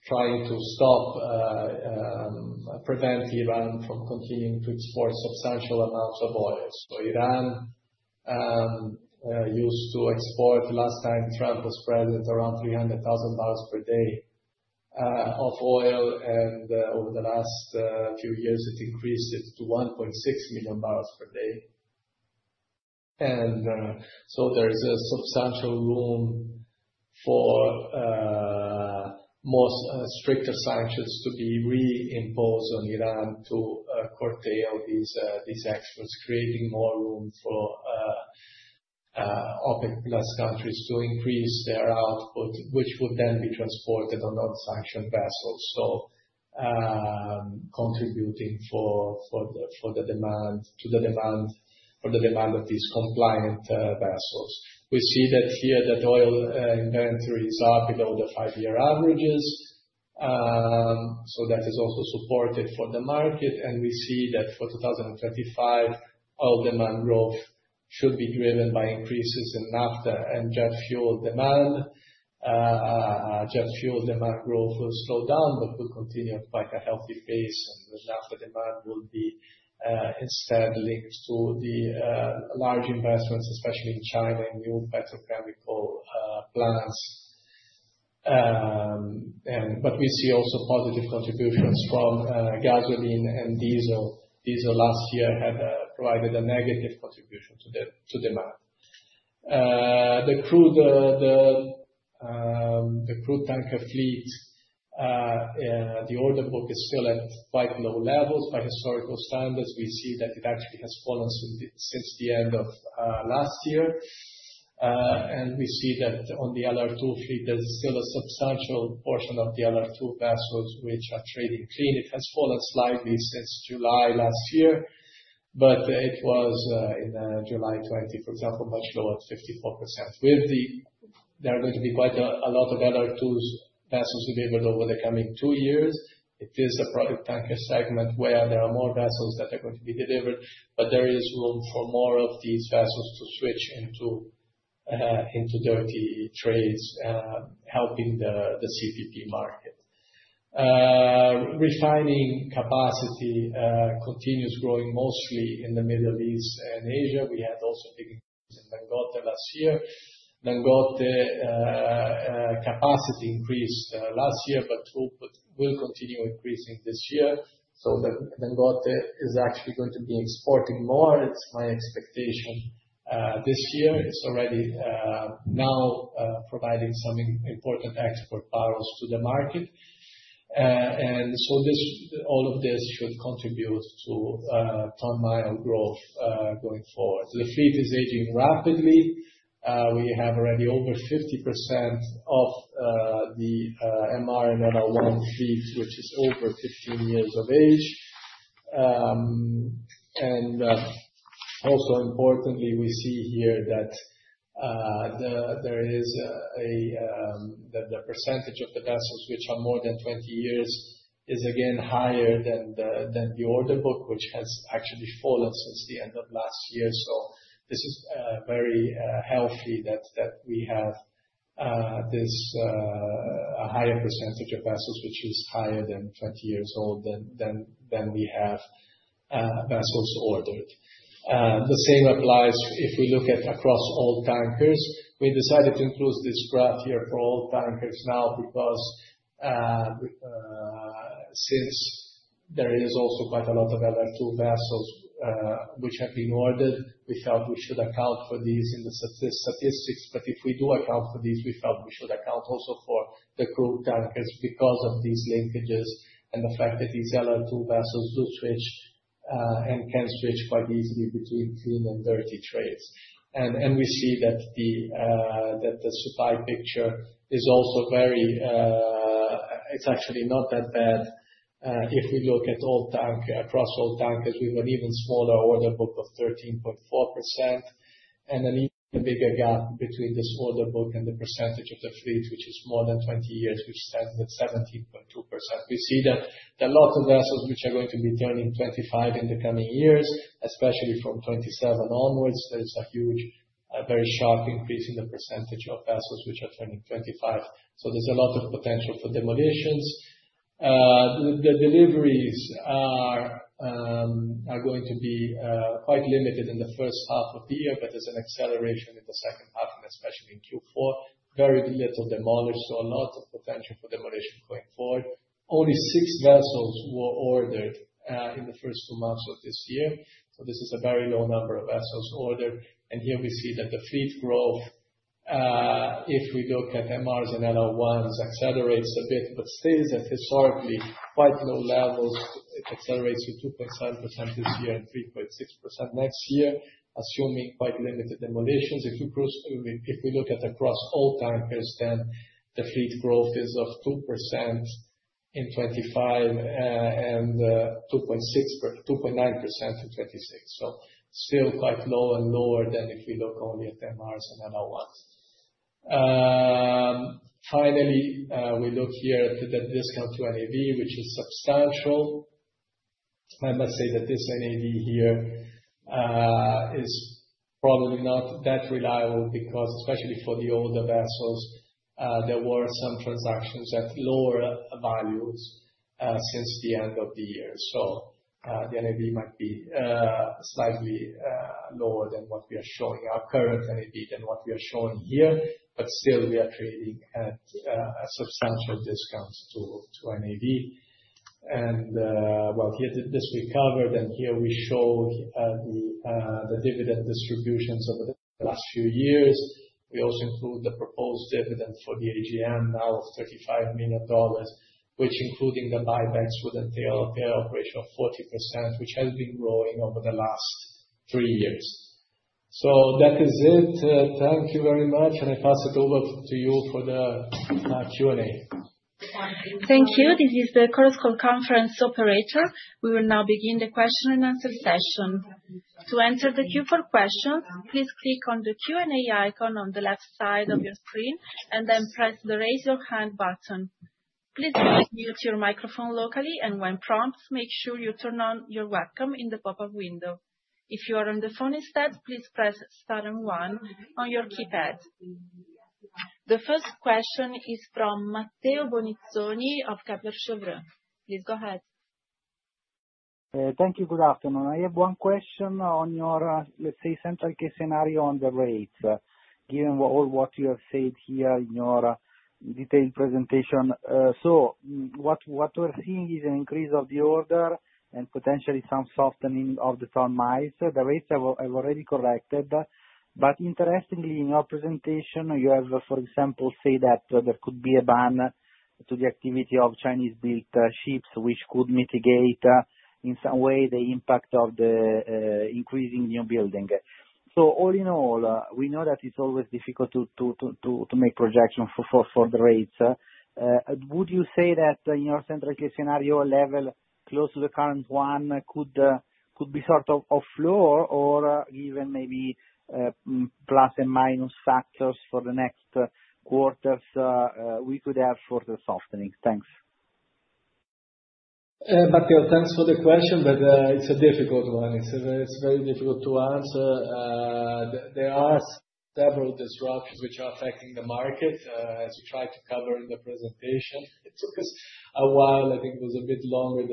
trying to prevent Iran from continuing to export substantial amounts of oil. Iran used to export, last time Trump was president, around 300,000 barrels per day of oil. Over the last few years, it increased it to 1.6 million barrels per day. There is a substantial room for more stricter sanctions to be reimposed on Iran to curtail these exports, creating more room for OPEC Plus countries to increase their output, which would then be transported on unsanctioned vessels, so contributing to the demand for the demand of these compliant vessels. We see that here that oil inventories are below the five-year averages. That is also supported for the market. We see that for 2025, oil demand growth should be driven by increases in naphtha and jet fuel demand. Jet fuel demand growth will slow down, but will continue at quite a healthy pace. The naphtha demand will be instead linked to the large investments, especially in China and new petrochemical plants. We see also positive contributions from gasoline and diesel. Diesel last year had provided a negative contribution to demand. The crude tanker fleet, the order book is still at quite low levels by historical standards. We see that it actually has fallen since the end of last year. We see that on the LR2 fleet, there is still a substantial portion of the LR2 vessels which are trading clean. It has fallen slightly since July last year, but it was in July 2020, for example, much lower at 54%. There are going to be quite a lot of LR2 vessels delivered over the coming two years. It is a product tanker segment where there are more vessels that are going to be delivered, but there is room for more of these vessels to switch into dirty trades, helping the CPP market. Refining capacity continues growing mostly in the Middle East and Asia. We had also big increases in Dangote last year. Dangote capacity increased last year, but will continue increasing this year. Dangote is actually going to be exporting more. It's my expectation this year. It's already now providing some important export barrels to the market. All of this should contribute to ton mile growth going forward. The fleet is aging rapidly. We have already over 50% of the MR and MR1 fleet, which is over 15 years of age. Also importantly, we see here that there is a percentage of the vessels which are more than 20 years is again higher than the order book, which has actually fallen since the end of last year. This is very healthy that we have a higher percentage of vessels which is higher than 20 years old than we have vessels ordered. The same applies if we look at across all tankers. We decided to include this graph here for all tankers now because since there is also quite a lot of LR2 vessels which have been ordered, we felt we should account for these in the statistics. If we do account for these, we felt we should account also for the crude tankers because of these linkages and the fact that these LR2 vessels do switch and can switch quite easily between clean and dirty trades. We see that the supply picture is also very, it's actually not that bad if we look at across all tankers with an even smaller order book of 13.4%. An even bigger gap between this order book and the percentage of the fleet, which is more than 20 years, stands at 17.2%. We see that a lot of vessels are going to be turning 25 in the coming years, especially from 2027 onwards. There is a huge, very sharp increase in the percentage of vessels which are turning 25. There is a lot of potential for demolitions. The deliveries are going to be quite limited in the first half of the year, but there's an acceleration in the second half, and especially in Q4, very little demolished. A lot of potential for demolition going forward. Only six vessels were ordered in the first two months of this year. This is a very low number of vessels ordered. Here we see that the fleet growth, if we look at MRs and LR1s, accelerates a bit, but stays at historically quite low levels. It accelerates to 2.7% this year and 3.6% next year, assuming quite limited demolitions. If we look at across all tankers, then the fleet growth is of 2% in 2025 and 2.9% in 2026. Still quite low and lower than if we look only at MRs and LR1s. Finally, we look here at the discount to NAV, which is substantial. I must say that this NAV here is probably not that reliable because, especially for the older vessels, there were some transactions at lower values since the end of the year. The NAV might be slightly lower than what we are showing, our current NAV than what we are showing here. Still, we are trading at substantial discounts to NAV. This we covered. Here we show the dividend distributions over the last few years. We also include the proposed dividend for the AGM now of $35 million, which, including the buybacks, would entail a payout ratio of 40%, which has been growing over the last three years. That is it. Thank you very much. I pass it over to you for the Q&A. Thank you. This is the CORROS Conference Operator. We will now begin the question and answer session. To enter the Q4 questions, please click on the Q&A icon on the left side of your screen and then press the raise your hand button. Please mute your microphone locally. When prompt, make sure you turn on your webcam in the pop-up window. If you are on the phone instead, please press star and one on your keypad. The first question is from Matteo Bonizzoni of Cheuvreux. Please go ahead. Thank you. Good afternoon. I have one question on your, let's say, central case scenario on the rates, given all what you have said here in your detailed presentation. What we're seeing is an increase of the order and potentially some softening of the ton-miles. The rates have already corrected. Interestingly, in your presentation, you have, for example, said that there could be a ban to the activity of Chinese-built ships, which could mitigate in some way the impact of the increasing new building. All in all, we know that it's always difficult to make projections for the rates. Would you say that in your central case scenario, a level close to the current one could be sort of a floor or given maybe plus and minus factors for the next quarters we could have further softening? Thanks. Matteo, thanks for the question, but it's a difficult one. It's very difficult to answer. There are several disruptions which are affecting the market, as we tried to cover in the presentation. It took us a while. I think it was a bit longer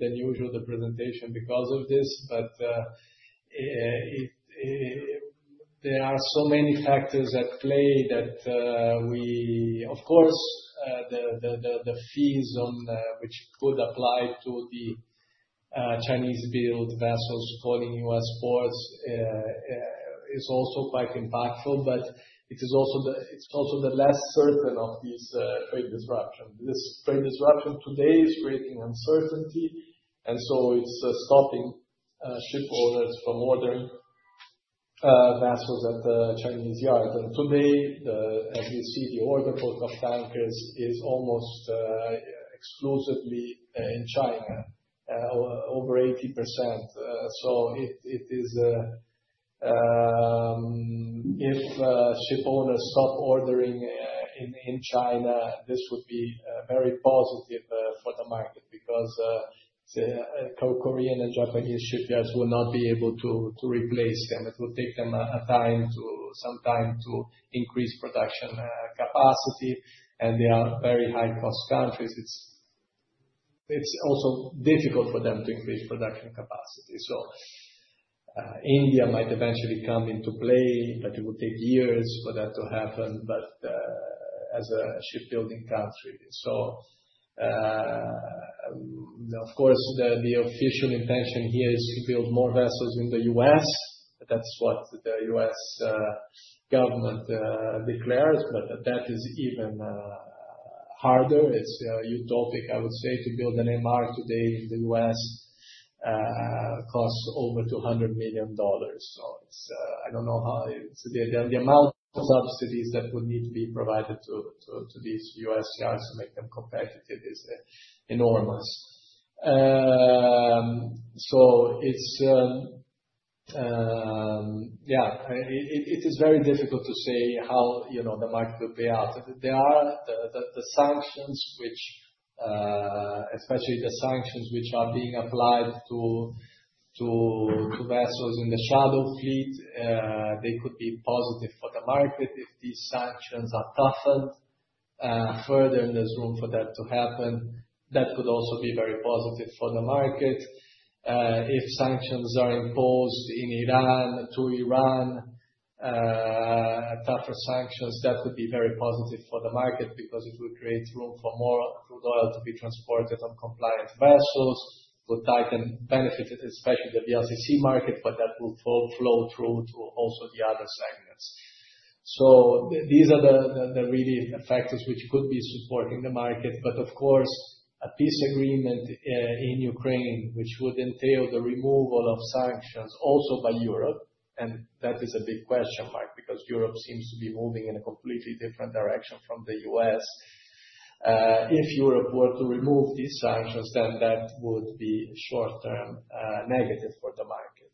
than usual, the presentation, because of this. There are so many factors at play that we, of course, the fees on which could apply to the Chinese-built vessels calling U.S. ports is also quite impactful. It's also the less certain of these trade disruptions. This trade disruption today is creating uncertainty. It is stopping ship owners from ordering vessels at the Chinese yard. Today, as we see, the order book of tankers is almost exclusively in China, over 80%. If ship owners stop ordering in China, this would be very positive for the market because Korean and Japanese shipyards will not be able to replace them. It will take them some time to increase production capacity. They are very high-cost countries. It is also difficult for them to increase production capacity. India might eventually come into play, but it will take years for that to happen as a shipbuilding country. Of course, the official intention here is to build more vessels in the U.S. That is what the U.S. government declares. That is even harder. It is utopic, I would say, to build an MR today in the U.S. costs over $200 million. I do not know how the amount of subsidies that would need to be provided to these U.S. yards to make them competitive is enormous. Yeah, it is very difficult to say how the market will pay out. The sanctions, especially the sanctions which are being applied to vessels in the shadow fleet, they could be positive for the market. If these sanctions are toughened further, and there's room for that to happen, that could also be very positive for the market. If sanctions are imposed in Iran, tougher sanctions, that would be very positive for the market because it would create room for more crude oil to be transported on compliant vessels. It would benefit especially the BRCC market, but that will flow through to also the other segments. These are the really factors which could be supporting the market. Of course, a peace agreement in Ukraine, which would entail the removal of sanctions also by Europe, and that is a big question mark because Europe seems to be moving in a completely different direction from the U.S. If Europe were to remove these sanctions, then that would be short-term negative for the market.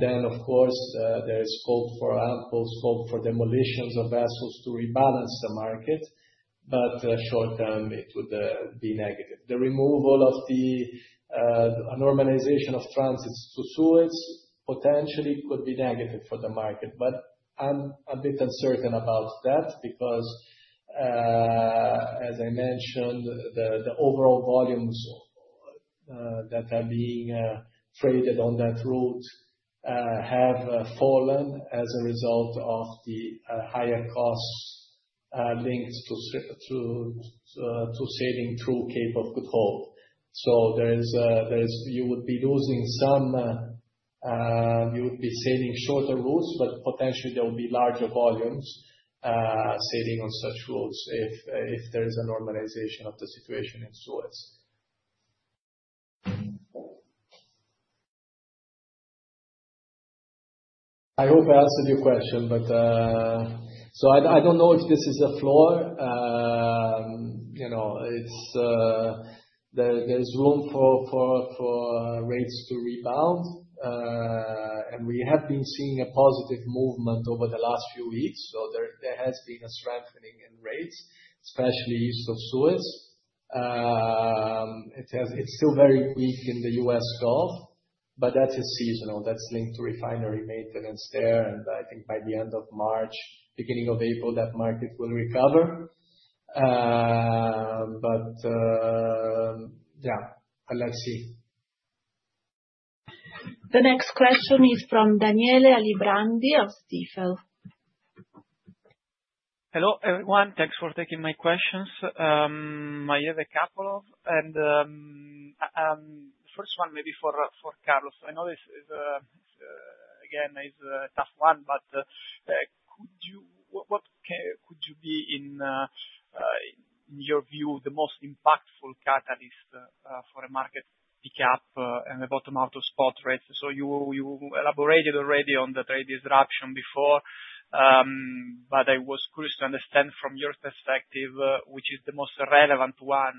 There is scope for demolitions of vessels to rebalance the market. Short-term, it would be negative. The removal of the normalization of transits to Suez potentially could be negative for the market. I'm a bit uncertain about that because, as I mentioned, the overall volumes that are being traded on that route have fallen as a result of the higher costs linked to sailing through Cape of Good Hope. You would be losing some, you would be sailing shorter routes, but potentially there will be larger volumes sailing on such routes if there is a normalization of the situation in Suez. I hope I answered your question, but I do not know if this is a floor. There is room for rates to rebound. We have been seeing a positive movement over the last few weeks. There has been a strengthening in rates, especially east of Suez. It is still very weak in the U.S. Gulf, but that is seasonal. That is linked to refinery maintenance there. I think by the end of March, beginning of April, that market will recover. Yeah, let's see. The next question is from Daniele Alibrandi of Stifel. Hello, everyone. Thanks for taking my questions. I have a couple of them. The first one maybe for Carlos. I know this, again, is a tough one, but what could be in your view the most impactful catalyst for a market pickup and the bottom out of spot rates? You elaborated already on the trade disruption before, but I was curious to understand from your perspective, which is the most relevant one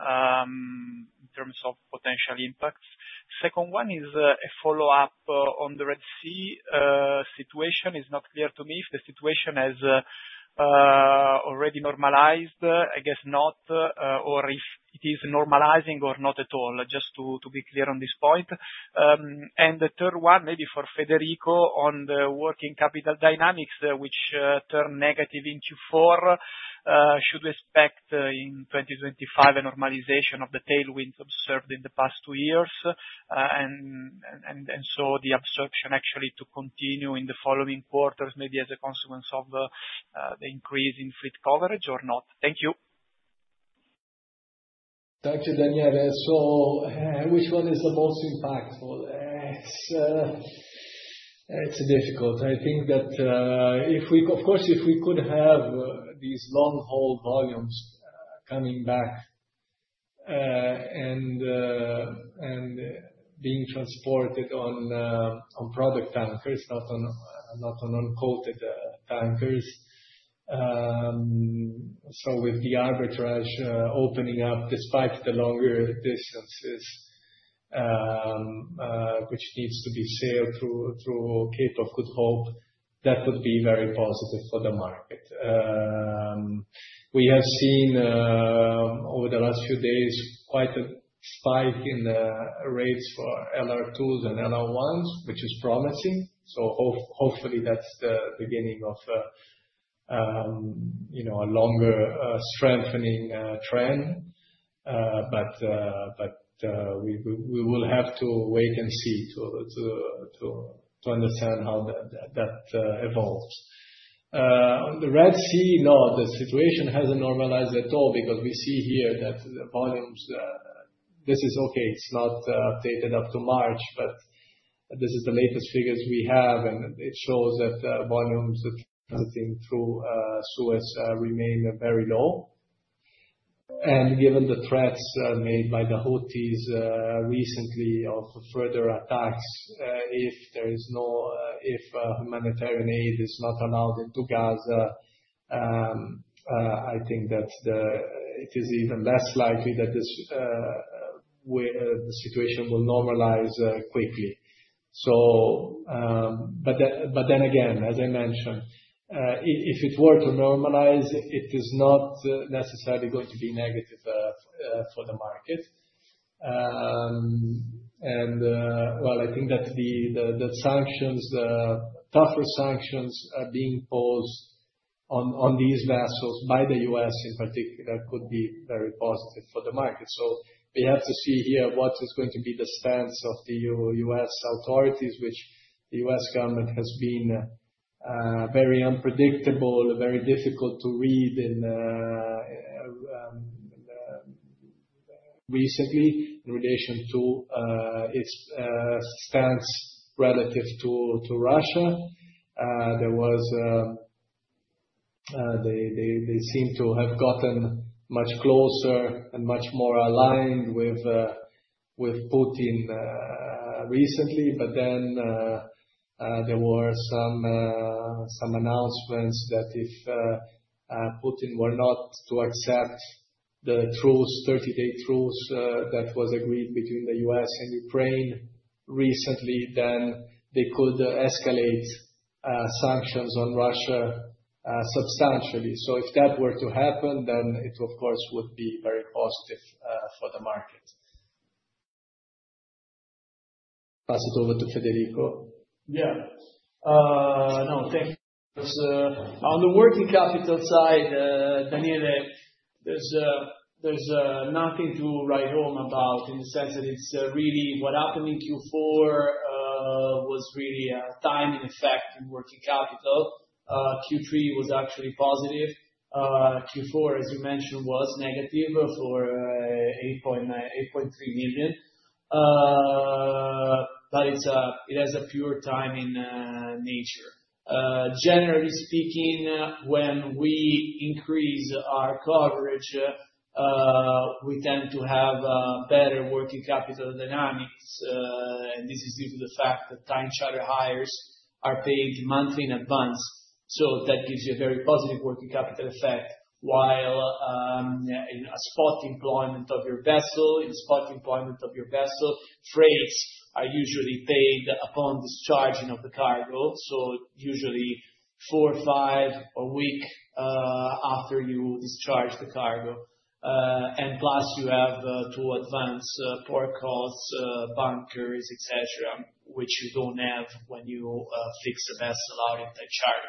in terms of potential impacts. The second one is a follow-up on the Red Sea situation. It's not clear to me if the situation has already normalized, I guess not, or if it is normalizing or not at all, just to be clear on this point. The third one, maybe for Federico on the working capital dynamics, which turned negative in Q4. Should we expect in 2025 a normalization of the tailwinds observed in the past two years? The absorption actually to continue in the following quarters maybe as a consequence of the increase in fleet coverage or not? Thank you. Thank you, Daniele. Which one is the most impactful? It's difficult. I think that, of course, if we could have these long-haul volumes coming back and being transported on product tankers, not on uncoated tankers. With the arbitrage opening up despite the longer distances, which needs to be sailed through Cape of Good Hope, that would be very positive for the market. We have seen over the last few days quite a spike in the rates for LR2s and LR1s, which is promising. Hopefully, that's the beginning of a longer strengthening trend. We will have to wait and see to understand how that evolves. On the Red Sea, no, the situation hasn't normalized at all because we see here that the volumes, this is okay. It's not updated up to March, but this is the latest figures we have. It shows that volumes transiting through Suez remain very low. Given the threats made by the Houthis recently of further attacks, if humanitarian aid is not allowed into Gaza, I think that it is even less likely that the situation will normalize quickly. As I mentioned, if it were to normalize, it is not necessarily going to be negative for the market. I think that the tougher sanctions being imposed on these vessels by the U.S. in particular could be very positive for the market. We have to see here what is going to be the stance of the U.S. authorities, which the U.S. government has been very unpredictable, very difficult to read recently in relation to its stance relative to Russia. They seem to have gotten much closer and much more aligned with Putin recently. But then there were some announcements that if Putin were not to accept the 30-day truce that was agreed between the U.S. and Ukraine recently, they could escalate sanctions on Russia substantially. If that were to happen, it, of course, would be very positive for the market. Pass it over to Federico. Yeah. No, thank you. On the working capital side, Daniele, there's nothing to write home about in the sense that what happened in Q4 was really a timing effect in working capital. Q3 was actually positive. Q4, as you mentioned, was negative for $8.3 million. It has a pure timing nature. Generally speaking, when we increase our coverage, we tend to have better working capital dynamics. This is due to the fact that time charter hires are paid monthly in advance. That gives you a very positive working capital effect. While in spot employment of your vessel, in spot employment of your vessel, freights are usually paid upon discharging of the cargo. Usually four, five, a week after you discharge the cargo. Plus you have to advance port costs, bunkers, etc., which you do not have when you fix a vessel out in time charter.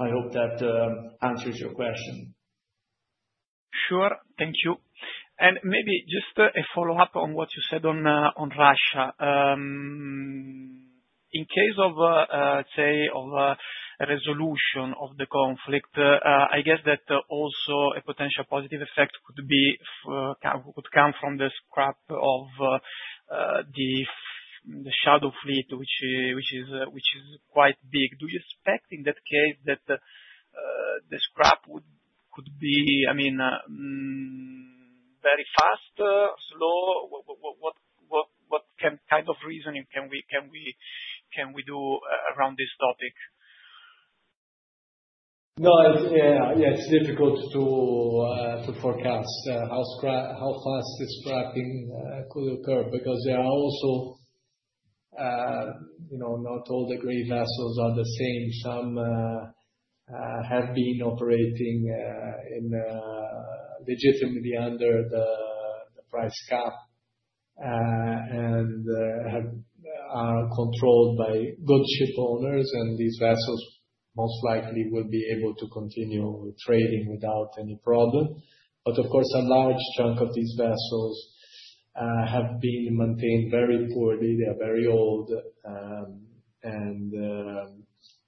I hope that answers your question. Sure. Thank you. Maybe just a follow-up on what you said on Russia. In case of, say, a resolution of the conflict, I guess that also a potential positive effect would come from the scrap of the shadow fleet, which is quite big. Do you expect in that case that the scrap could be, I mean, very fast, slow? What kind of reasoning can we do around this topic? No, yeah, it's difficult to forecast how fast the scrapping could occur because not all the grey vessels are the same. Some have been operating legitimately under the price cap and are controlled by good ship owners. These vessels most likely will be able to continue trading without any problem. Of course, a large chunk of these vessels have been maintained very poorly. They are very old.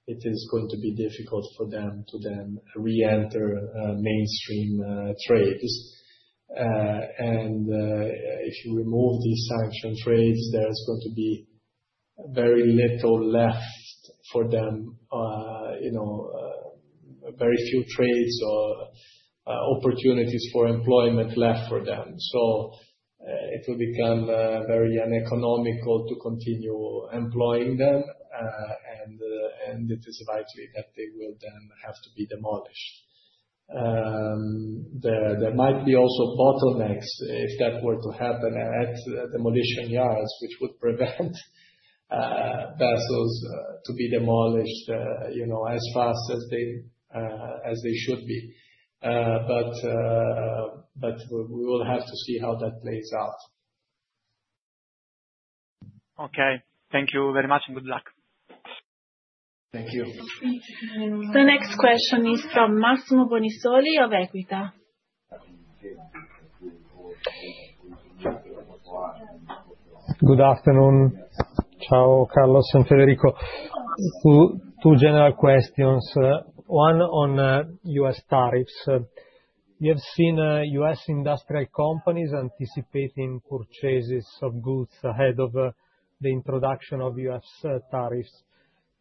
It is going to be difficult for them to then re-enter mainstream trades. If you remove these sanctioned trades, there is going to be very little left for them, very few trades or opportunities for employment left for them. It will become very uneconomical to continue employing them. It is likely that they will then have to be demolished. There might be also bottlenecks if that were to happen at demolition yards, which would prevent vessels to be demolished as fast as they should be. We will have to see how that plays out. Okay. Thank you very much and good luck. Thank you. The next question is from Massimo Bonisoli of Equita. Good afternoon. Ciao, Carlos. I'm Federico. Two general questions. One on U.S. tariffs. You have seen U.S. industrial companies anticipating purchases of goods ahead of the introduction of U.S. tariffs.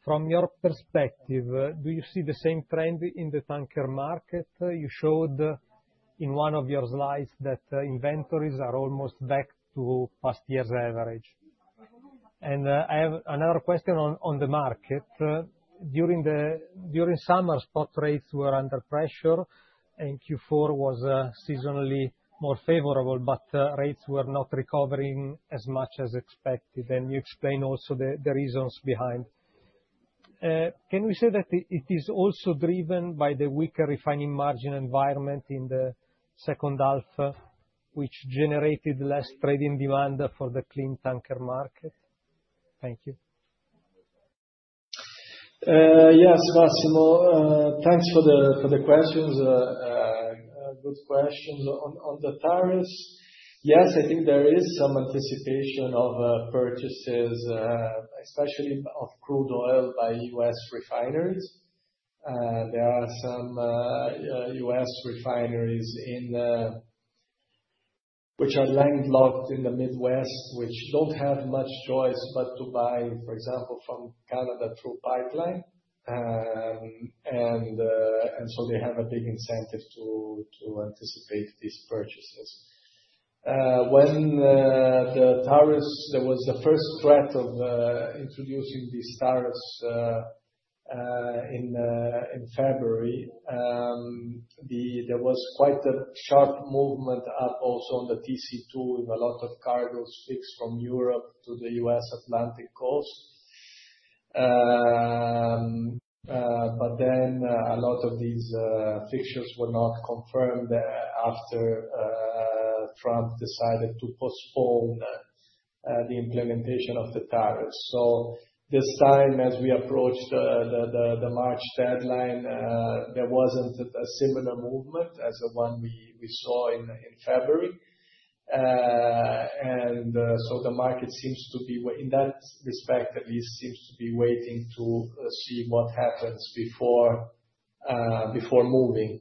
From your perspective, do you see the same trend in the tanker market? You showed in one of your slides that inventories are almost back to past year's average. Another question on the market. During summer, spot rates were under pressure, and Q4 was seasonally more favorable, but rates were not recovering as much as expected. You explained also the reasons behind. Can we say that it is also driven by the weaker refining margin environment in the second half, which generated less trading demand for the clean tanker market? Thank you. Yes, Massimo. Thanks for the questions. Good questions on the tariffs. Yes, I think there is some anticipation of purchases, especially of crude oil by U.S. refineries. There are some U.S. refineries which are landlocked in the Midwest, which do not have much choice but to buy, for example, from Canada through pipeline. They have a big incentive to anticipate these purchases. When the tariffs, there was the first threat of introducing these tariffs in February, there was quite a sharp movement up also on the TC2 in a lot of cargo fix from Europe to the U.S. Atlantic coast. A lot of these fixtures were not confirmed after Trump decided to postpone the implementation of the tariffs. This time, as we approached the March deadline, there was not a similar movement as the one we saw in February. The market seems to be, in that respect, at least seems to be waiting to see what happens before moving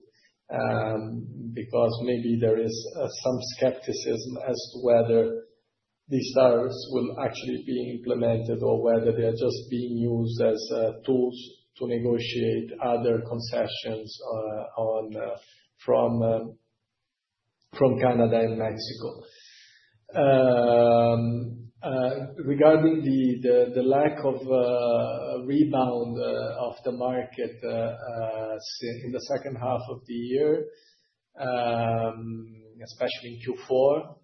because maybe there is some skepticism as to whether these tariffs will actually be implemented or whether they are just being used as tools to negotiate other concessions from Canada and Mexico. Regarding the lack of rebound of the market in the second half of the year, especially in Q4,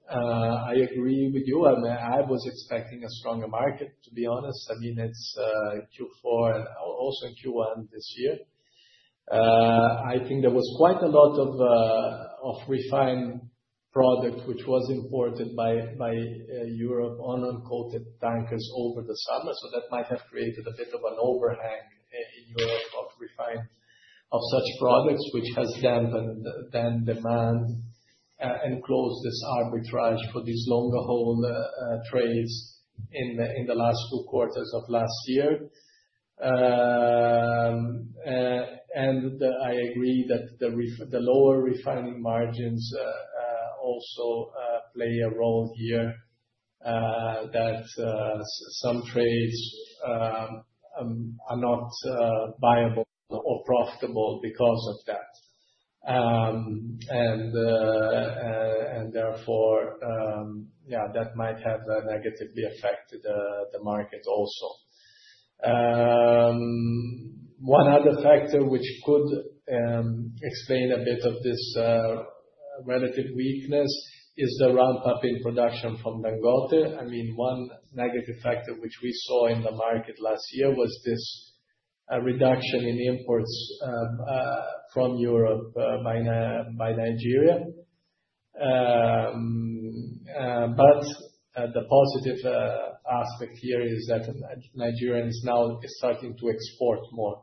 I agree with you. I mean, I was expecting a stronger market, to be honest. I mean, it's Q4 and also Q1 this year. I think there was quite a lot of refined product, which was imported by Europe on uncoated tankers over the summer. That might have created a bit of an overhang in Europe of refined of such products, which has then demand and closed this arbitrage for these longer-haul trades in the last two quarters of last year. I agree that the lower refining margins also play a role here that some trades are not viable or profitable because of that. Therefore, yeah, that might have negatively affected the market also. One other factor which could explain a bit of this relative weakness is the ramp-up in production from Nigeria. I mean, one negative factor which we saw in the market last year was this reduction in imports from Europe by Nigeria. The positive aspect here is that Nigeria is now starting to export more.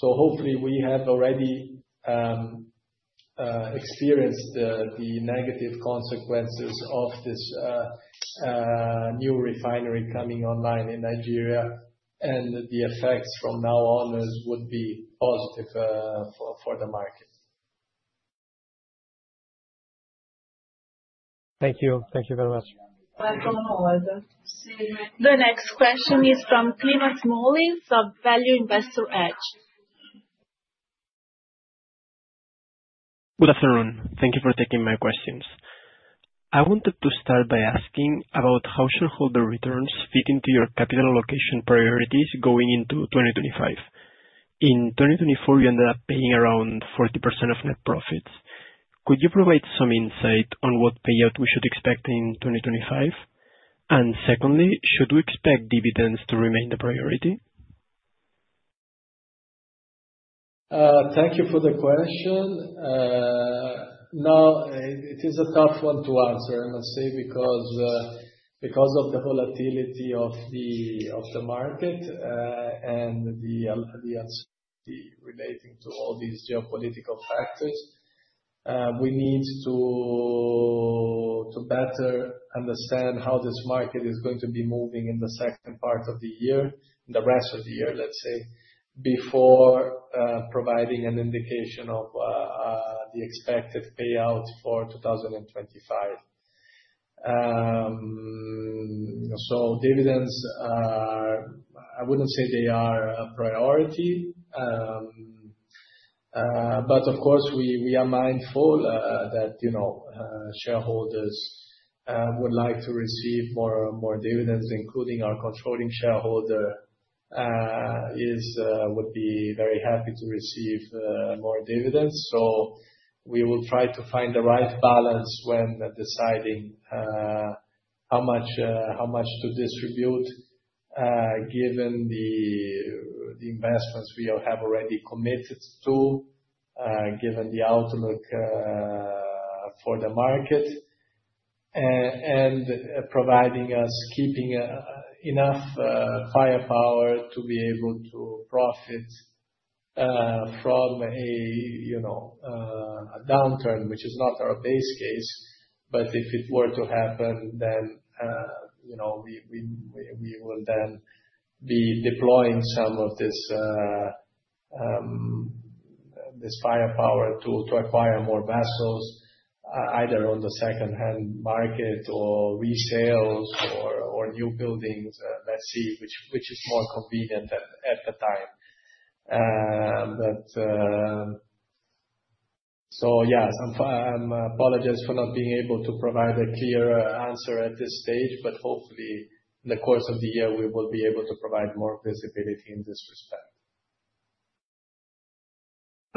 Hopefully, we have already experienced the negative consequences of this new refinery coming online in Nigeria. The effects from now on would be positive for the market. Thank you. Thank you very much. Welcome, Owen. The next question is from Clement Molins of Value Investor Edge. Good afternoon. Thank you for taking my questions. I wanted to start by asking about how shareholder returns fit into your capital allocation priorities going into 2025. In 2024, you ended up paying around 40% of net profits. Could you provide some insight on what payout we should expect in 2025? Secondly, should we expect dividends to remain the priority? Thank you for the question. Now, it is a tough one to answer, I must say, because of the volatility of the market and the uncertainty relating to all these geopolitical factors. We need to better understand how this market is going to be moving in the second part of the year, in the rest of the year, let's say, before providing an indication of the expected payout for 2025. Dividends, I wouldn't say they are a priority. Of course, we are mindful that shareholders would like to receive more dividends, including our controlling shareholder would be very happy to receive more dividends. We will try to find the right balance when deciding how much to distribute given the investments we have already committed to, given the outlook for the market, and providing us keeping enough firepower to be able to profit from a downturn, which is not our base case. If it were to happen, then we will then be deploying some of this firepower to acquire more vessels, either on the second-hand market or resales or new buildings. Let's see which is more convenient at the time. I apologize for not being able to provide a clear answer at this stage, but hopefully, in the course of the year, we will be able to provide more visibility in this respect.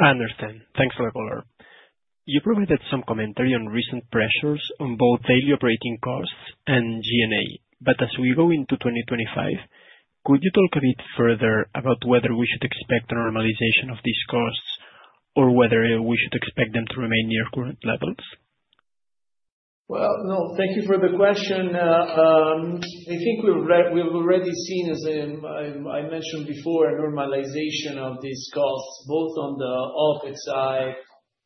I understand. Thanks for the caller. You provided some commentary on recent pressures on both daily operating costs and G&A. As we go into 2025, could you talk a bit further about whether we should expect a normalization of these costs or whether we should expect them to remain near current levels? Thank you for the question. I think we've already seen, as I mentioned before, a normalization of these costs, both on the OPEX side.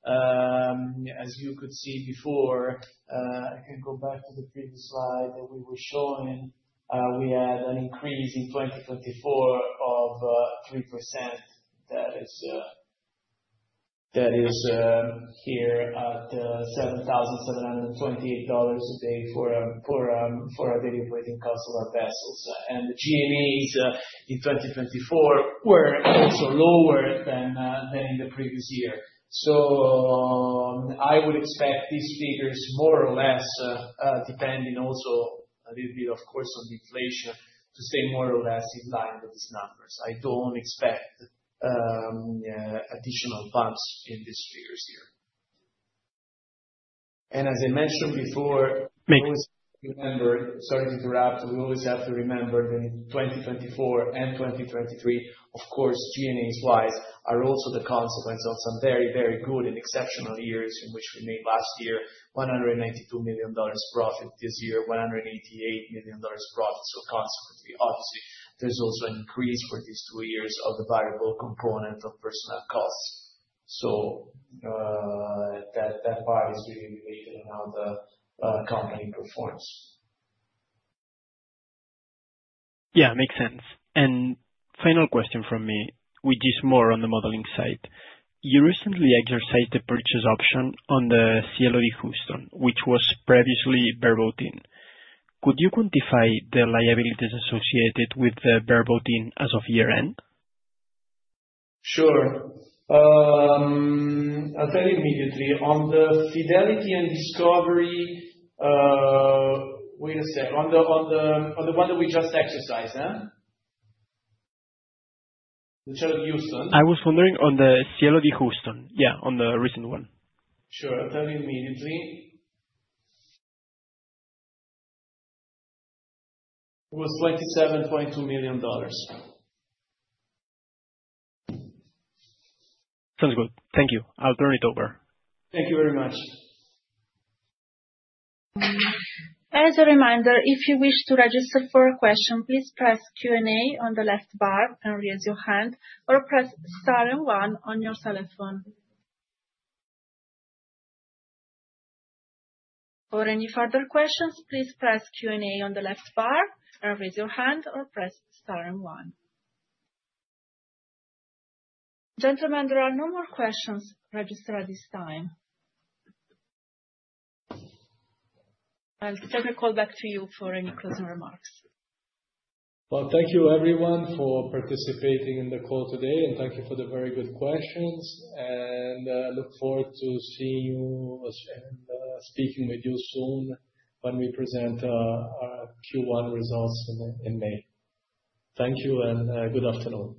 As you could see before, I can go back to the previous slide that we were showing. We had an increase in 2024 of 3%. That is here at $7,728 a day for our daily operating costs of our vessels. And the G&As in 2024 were also lower than in the previous year. I would expect these figures more or less, depending also a little bit, of course, on inflation, to stay more or less in line with these numbers. I don't expect additional bumps in these figures here. As I mentioned before, we always have to remember—sorry to interrupt—we always have to remember that in 2024 and 2023, of course, G&A-wise are also the consequence of some very, very good and exceptional years in which we made last year $192 million profit, this year $188 million profit. Consequently, obviously, there is also an increase for these two years of the variable component of personal costs. That part is really related to how the company performs. Yeah, makes sense. Final question from me, which is more on the modeling side. You recently exercised the purchase option on the Cielo di Houston, which was previously bareboating. Could you quantify the liabilities associated with the bareboating as of year-end? Sure. I'll tell you immediately. On the Fidelity and Discovery—wait a sec—on the one that we just exercised, huh? The Cielo de Houston? I was wondering on the Cielo di Houston. Yeah, on the recent one. Sure. I'll tell you immediately. It was $27.2 million. Sounds good. Thank you. I'll turn it over. Thank you very much. As a reminder, if you wish to register for a question, please press Q&A on the left bar and raise your hand or press Star and 1 on your telephone. For any further questions, please press Q&A on the left bar and raise your hand or press Star and 1. Gentlemen, there are no more questions registered at this time. I'll take a call back to you for any closing remarks. Thank you, everyone, for participating in the call today. Thank you for the very good questions. I look forward to seeing you and speaking with you soon when we present our Q1 results in May. Thank you and good afternoon.